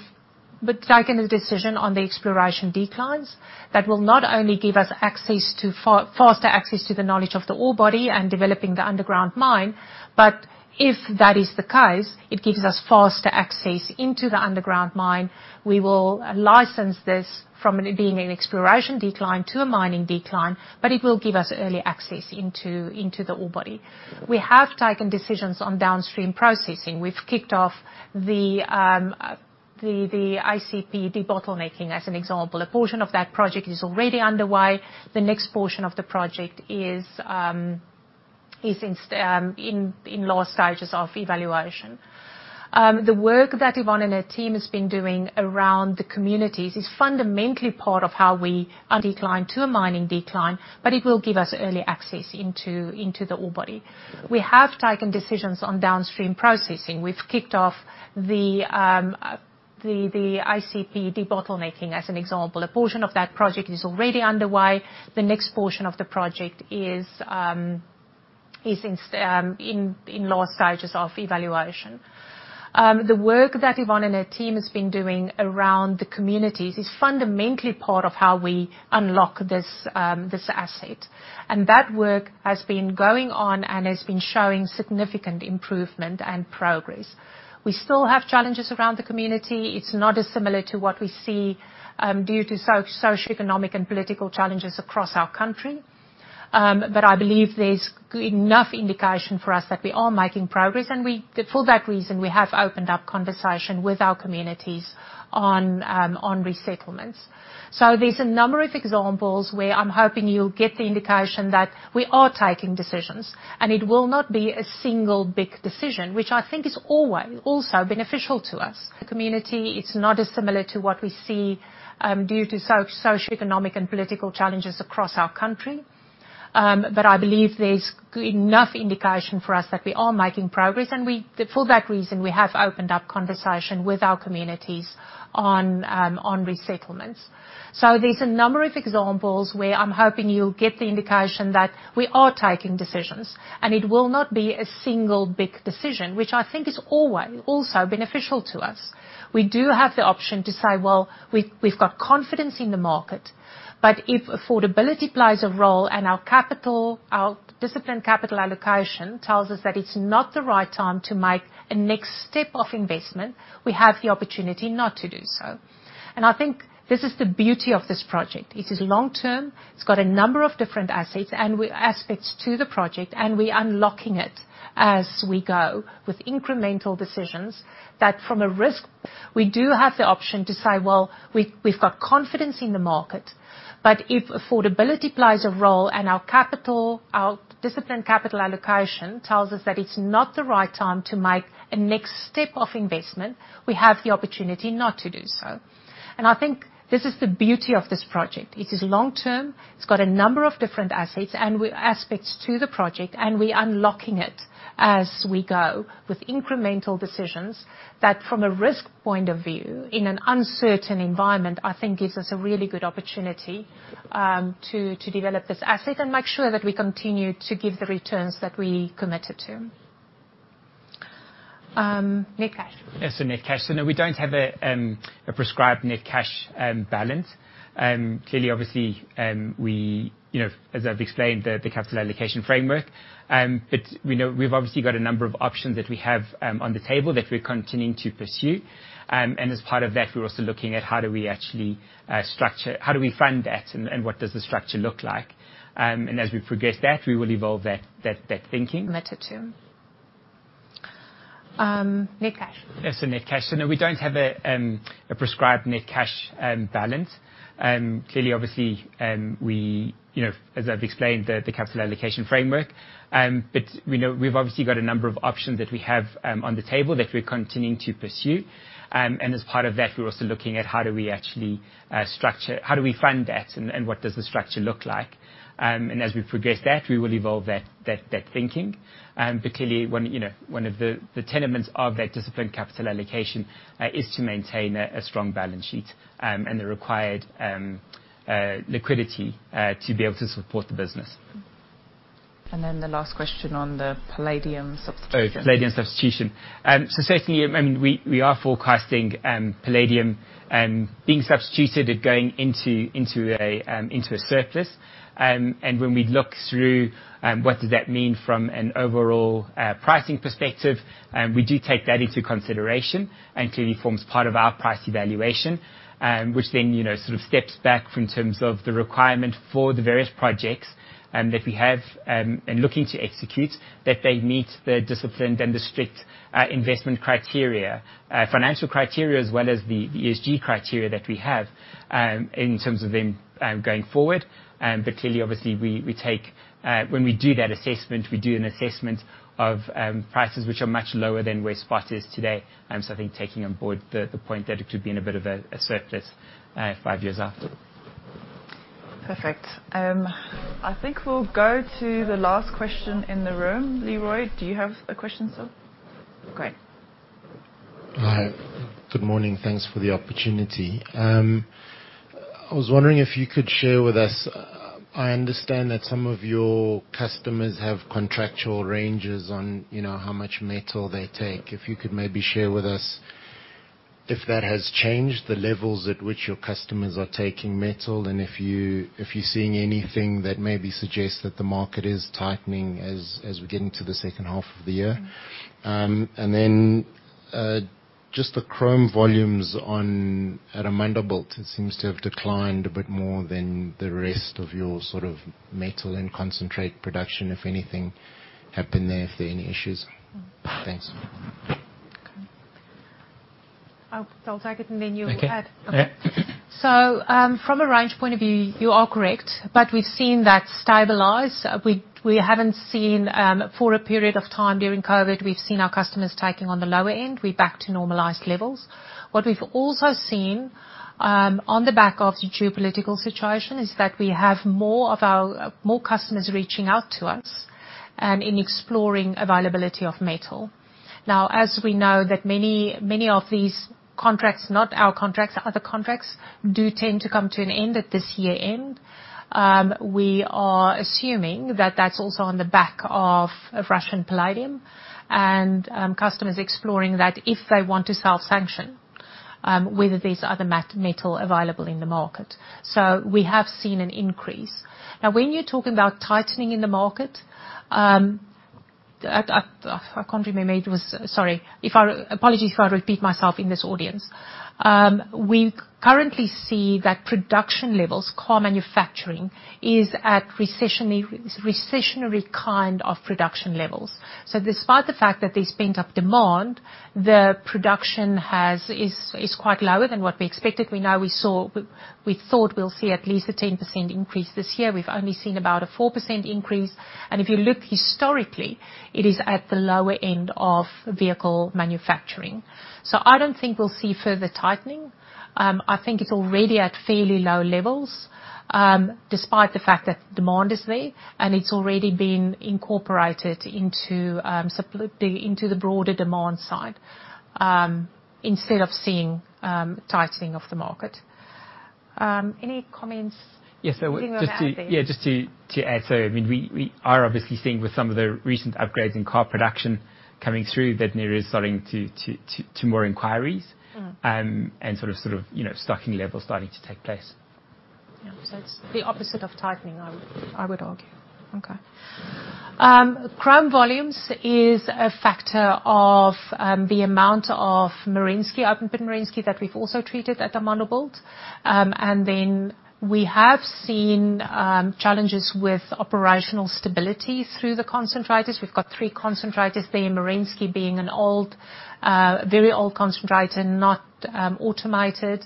taken a decision on the exploration declines that will not only give us access to faster access to the knowledge of the ore body and developing the underground mine, but if that is the case, it gives us faster access into the underground mine. We will license this from it being an exploration decline to a mining decline, but it will give us early access into the ore body. We have taken decisions on downstream processing. We've kicked off the ACP debottlenecking, as an example. A portion of that project is already underway. The next portion of the project is in last stages of evaluation. The work that Yvonne and her team has been doing around the communities is fundamentally part of how we. A decline to a mining decline, but it will give us early access into the ore body. We have taken decisions on downstream processing. We've kicked off the ACP debottlenecking, as an example. A portion of that project is already underway. The next portion of the project is in last stages of evaluation. The work that Yvonne and her team has been doing around the communities is fundamentally part of how we unlock this asset. That work has been going on and has been showing significant improvement and progress. We still have challenges around the community. It's not as similar to what we see due to socioeconomic and political challenges across our country. But I believe there's enough indication for us that we are making progress. For that reason, we have opened up conversation with our communities on resettlements. There's a number of examples where I'm hoping you'll get the indication that we are taking decisions, and it will not be a single big decision, which I think is also beneficial to us. The community is not as similar to what we see due to socioeconomic and political challenges across our country. I believe there's enough indication for us that we are making progress, and for that reason, we have opened up conversation with our communities on resettlements. There's a number of examples where I'm hoping you'll get the indication that we are taking decisions, and it will not be a single big decision, which I think is also beneficial to us. We do have the option to say, "Well, we've got confidence in the market," but if affordability plays a role and our disciplined capital allocation tells us that it's not the right time to make a next step of investment, we have the opportunity not to do so. I think this is the beauty of this project. It is long-term. It's got a number of different assets and aspects to the project, and we're unlocking it as we go with incremental decisions that from a risk. We do have the option to say, "Well, we've got confidence in the market," but if affordability plays a role and our disciplined capital allocation tells us that it's not the right time to make a next step of investment, we have the opportunity not to do so. I think this is the beauty of this project. It is long-term. It's got a number of different assets and aspects to the project, and we're unlocking it as we go with incremental decisions that from a risk point of view, in an uncertain environment, I think gives us a really good opportunity to develop this asset and make sure that we continue to give the returns that we committed to. Net cash. Yes, net cash. No, we don't have a prescribed net cash balance. Clearly, obviously, we, you know, as I've explained the capital allocation framework, but, you know, we've obviously got a number of options that we have on the table that we're continuing to pursue. As part of that, we're also looking at how do we actually structure, how do we fund that and what does the structure look like. As we progress that, we will evolve that thinking. Clearly one, you know, one of the tenets of that disciplined capital allocation is to maintain a strong balance sheet and the required liquidity to be able to support the business. The last question on the palladium substitution. Palladium substitution. Certainly, we are forecasting palladium being substituted and going into a surplus. When we look through what does that mean from an overall pricing perspective, we do take that into consideration, and clearly forms part of our price evaluation. Which then, you know, sort of steps back in terms of the requirement for the various projects that we have and looking to execute, that they meet the disciplined and the strict investment criteria. Financial criteria as well as the ESG criteria that we have in terms of them going forward. Clearly, obviously, we take when we do that assessment, we do an assessment of prices which are much lower than where spot is today. I think taking on board the point that it could be in a bit of a surplus five years after. Perfect. I think we'll go to the last question in the room. Leroy, do you have a question, sir? Great. Hi. Good morning, thanks for the opportunity. I was wondering if you could share with us. I understand that some of your customers have contractual ranges on, you know, how much metal they take. If you could maybe share with us if that has changed the levels at which your customers are taking metal, and if you're seeing anything that maybe suggests that the market is tightening as we get into the second half of the year. Just the chrome volumes on Amandelbult, it seems to have declined a bit more than the rest of your sort of metal and concentrate production. If anything happened there, if there are any issues. Thanks. I'll take it and then you add. Okay. Yeah. From a range point of view, you are correct. We've seen that stabilize. We haven't seen, for a period of time during COVID, we've seen our customers taking on the lower end. We're back to normalized levels. What we've also seen, on the back of the geopolitical situation, is that we have more customers reaching out to us, in exploring availability of metal. Now, as we know that many of these contracts, not our contracts, other contracts, do tend to come to an end at this year end. We are assuming that that's also on the back of Russian palladium. Customers exploring that if they want to self-sanction, whether there's other metal available in the market. We have seen an increase. Now, when you're talking about tightening in the market, apologies if I repeat myself in this audience. We currently see that production levels, car manufacturing, is at recessionary kind of production levels. Despite the fact that there's pent-up demand, the production is quite lower than what we expected. We thought we'll see at least a 10% increase this year. We've only seen about a 4% increase. If you look historically, it is at the lower end of vehicle manufacturing. I don't think we'll see further tightening. I think it's already at fairly low levels, despite the fact that demand is there, and it's already been incorporated into the broader demand side, instead of seeing tightening of the market. Any comments, anything you wanna add there? Yeah, just to add. I mean, we are obviously seeing with some of the recent upgrades in car production coming through, that there is starting to more inquiries, stocking levels starting to take place. Yeah. It's the opposite of tightening. I would argue. Okay. Chrome volumes is a factor of the amount of Merensky, open pit Merensky, that we've also treated at Amandelbult. We have seen challenges with operational stability through the concentrators. We've got three concentrators there, Merensky being an old, very old concentrator, not automated.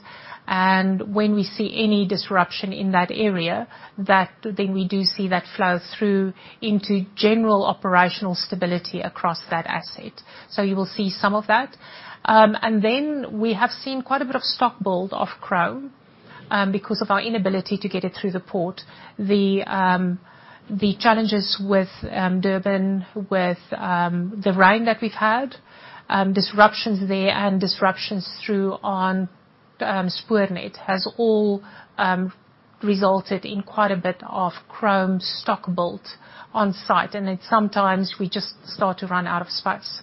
When we see any disruption in that area, that then we do see that flow through into general operational stability across that asset. You will see some of that. We have seen quite a bit of stock build of chrome because of our inability to get it through the port. The challenges with Durban, with the rain that we've had, disruptions there and disruptions through on Spoornet has all resulted in quite a bit of chrome stock built on site. Then sometimes we just start to run out of space.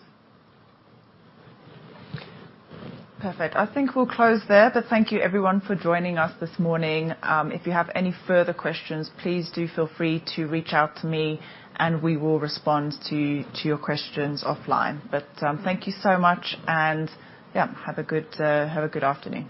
Perfect. I think we'll close there. Thank you everyone for joining us this morning. If you have any further questions, please do feel free to reach out to me and we will respond to your questions offline. Thank you so much, and yeah, have a good afternoon.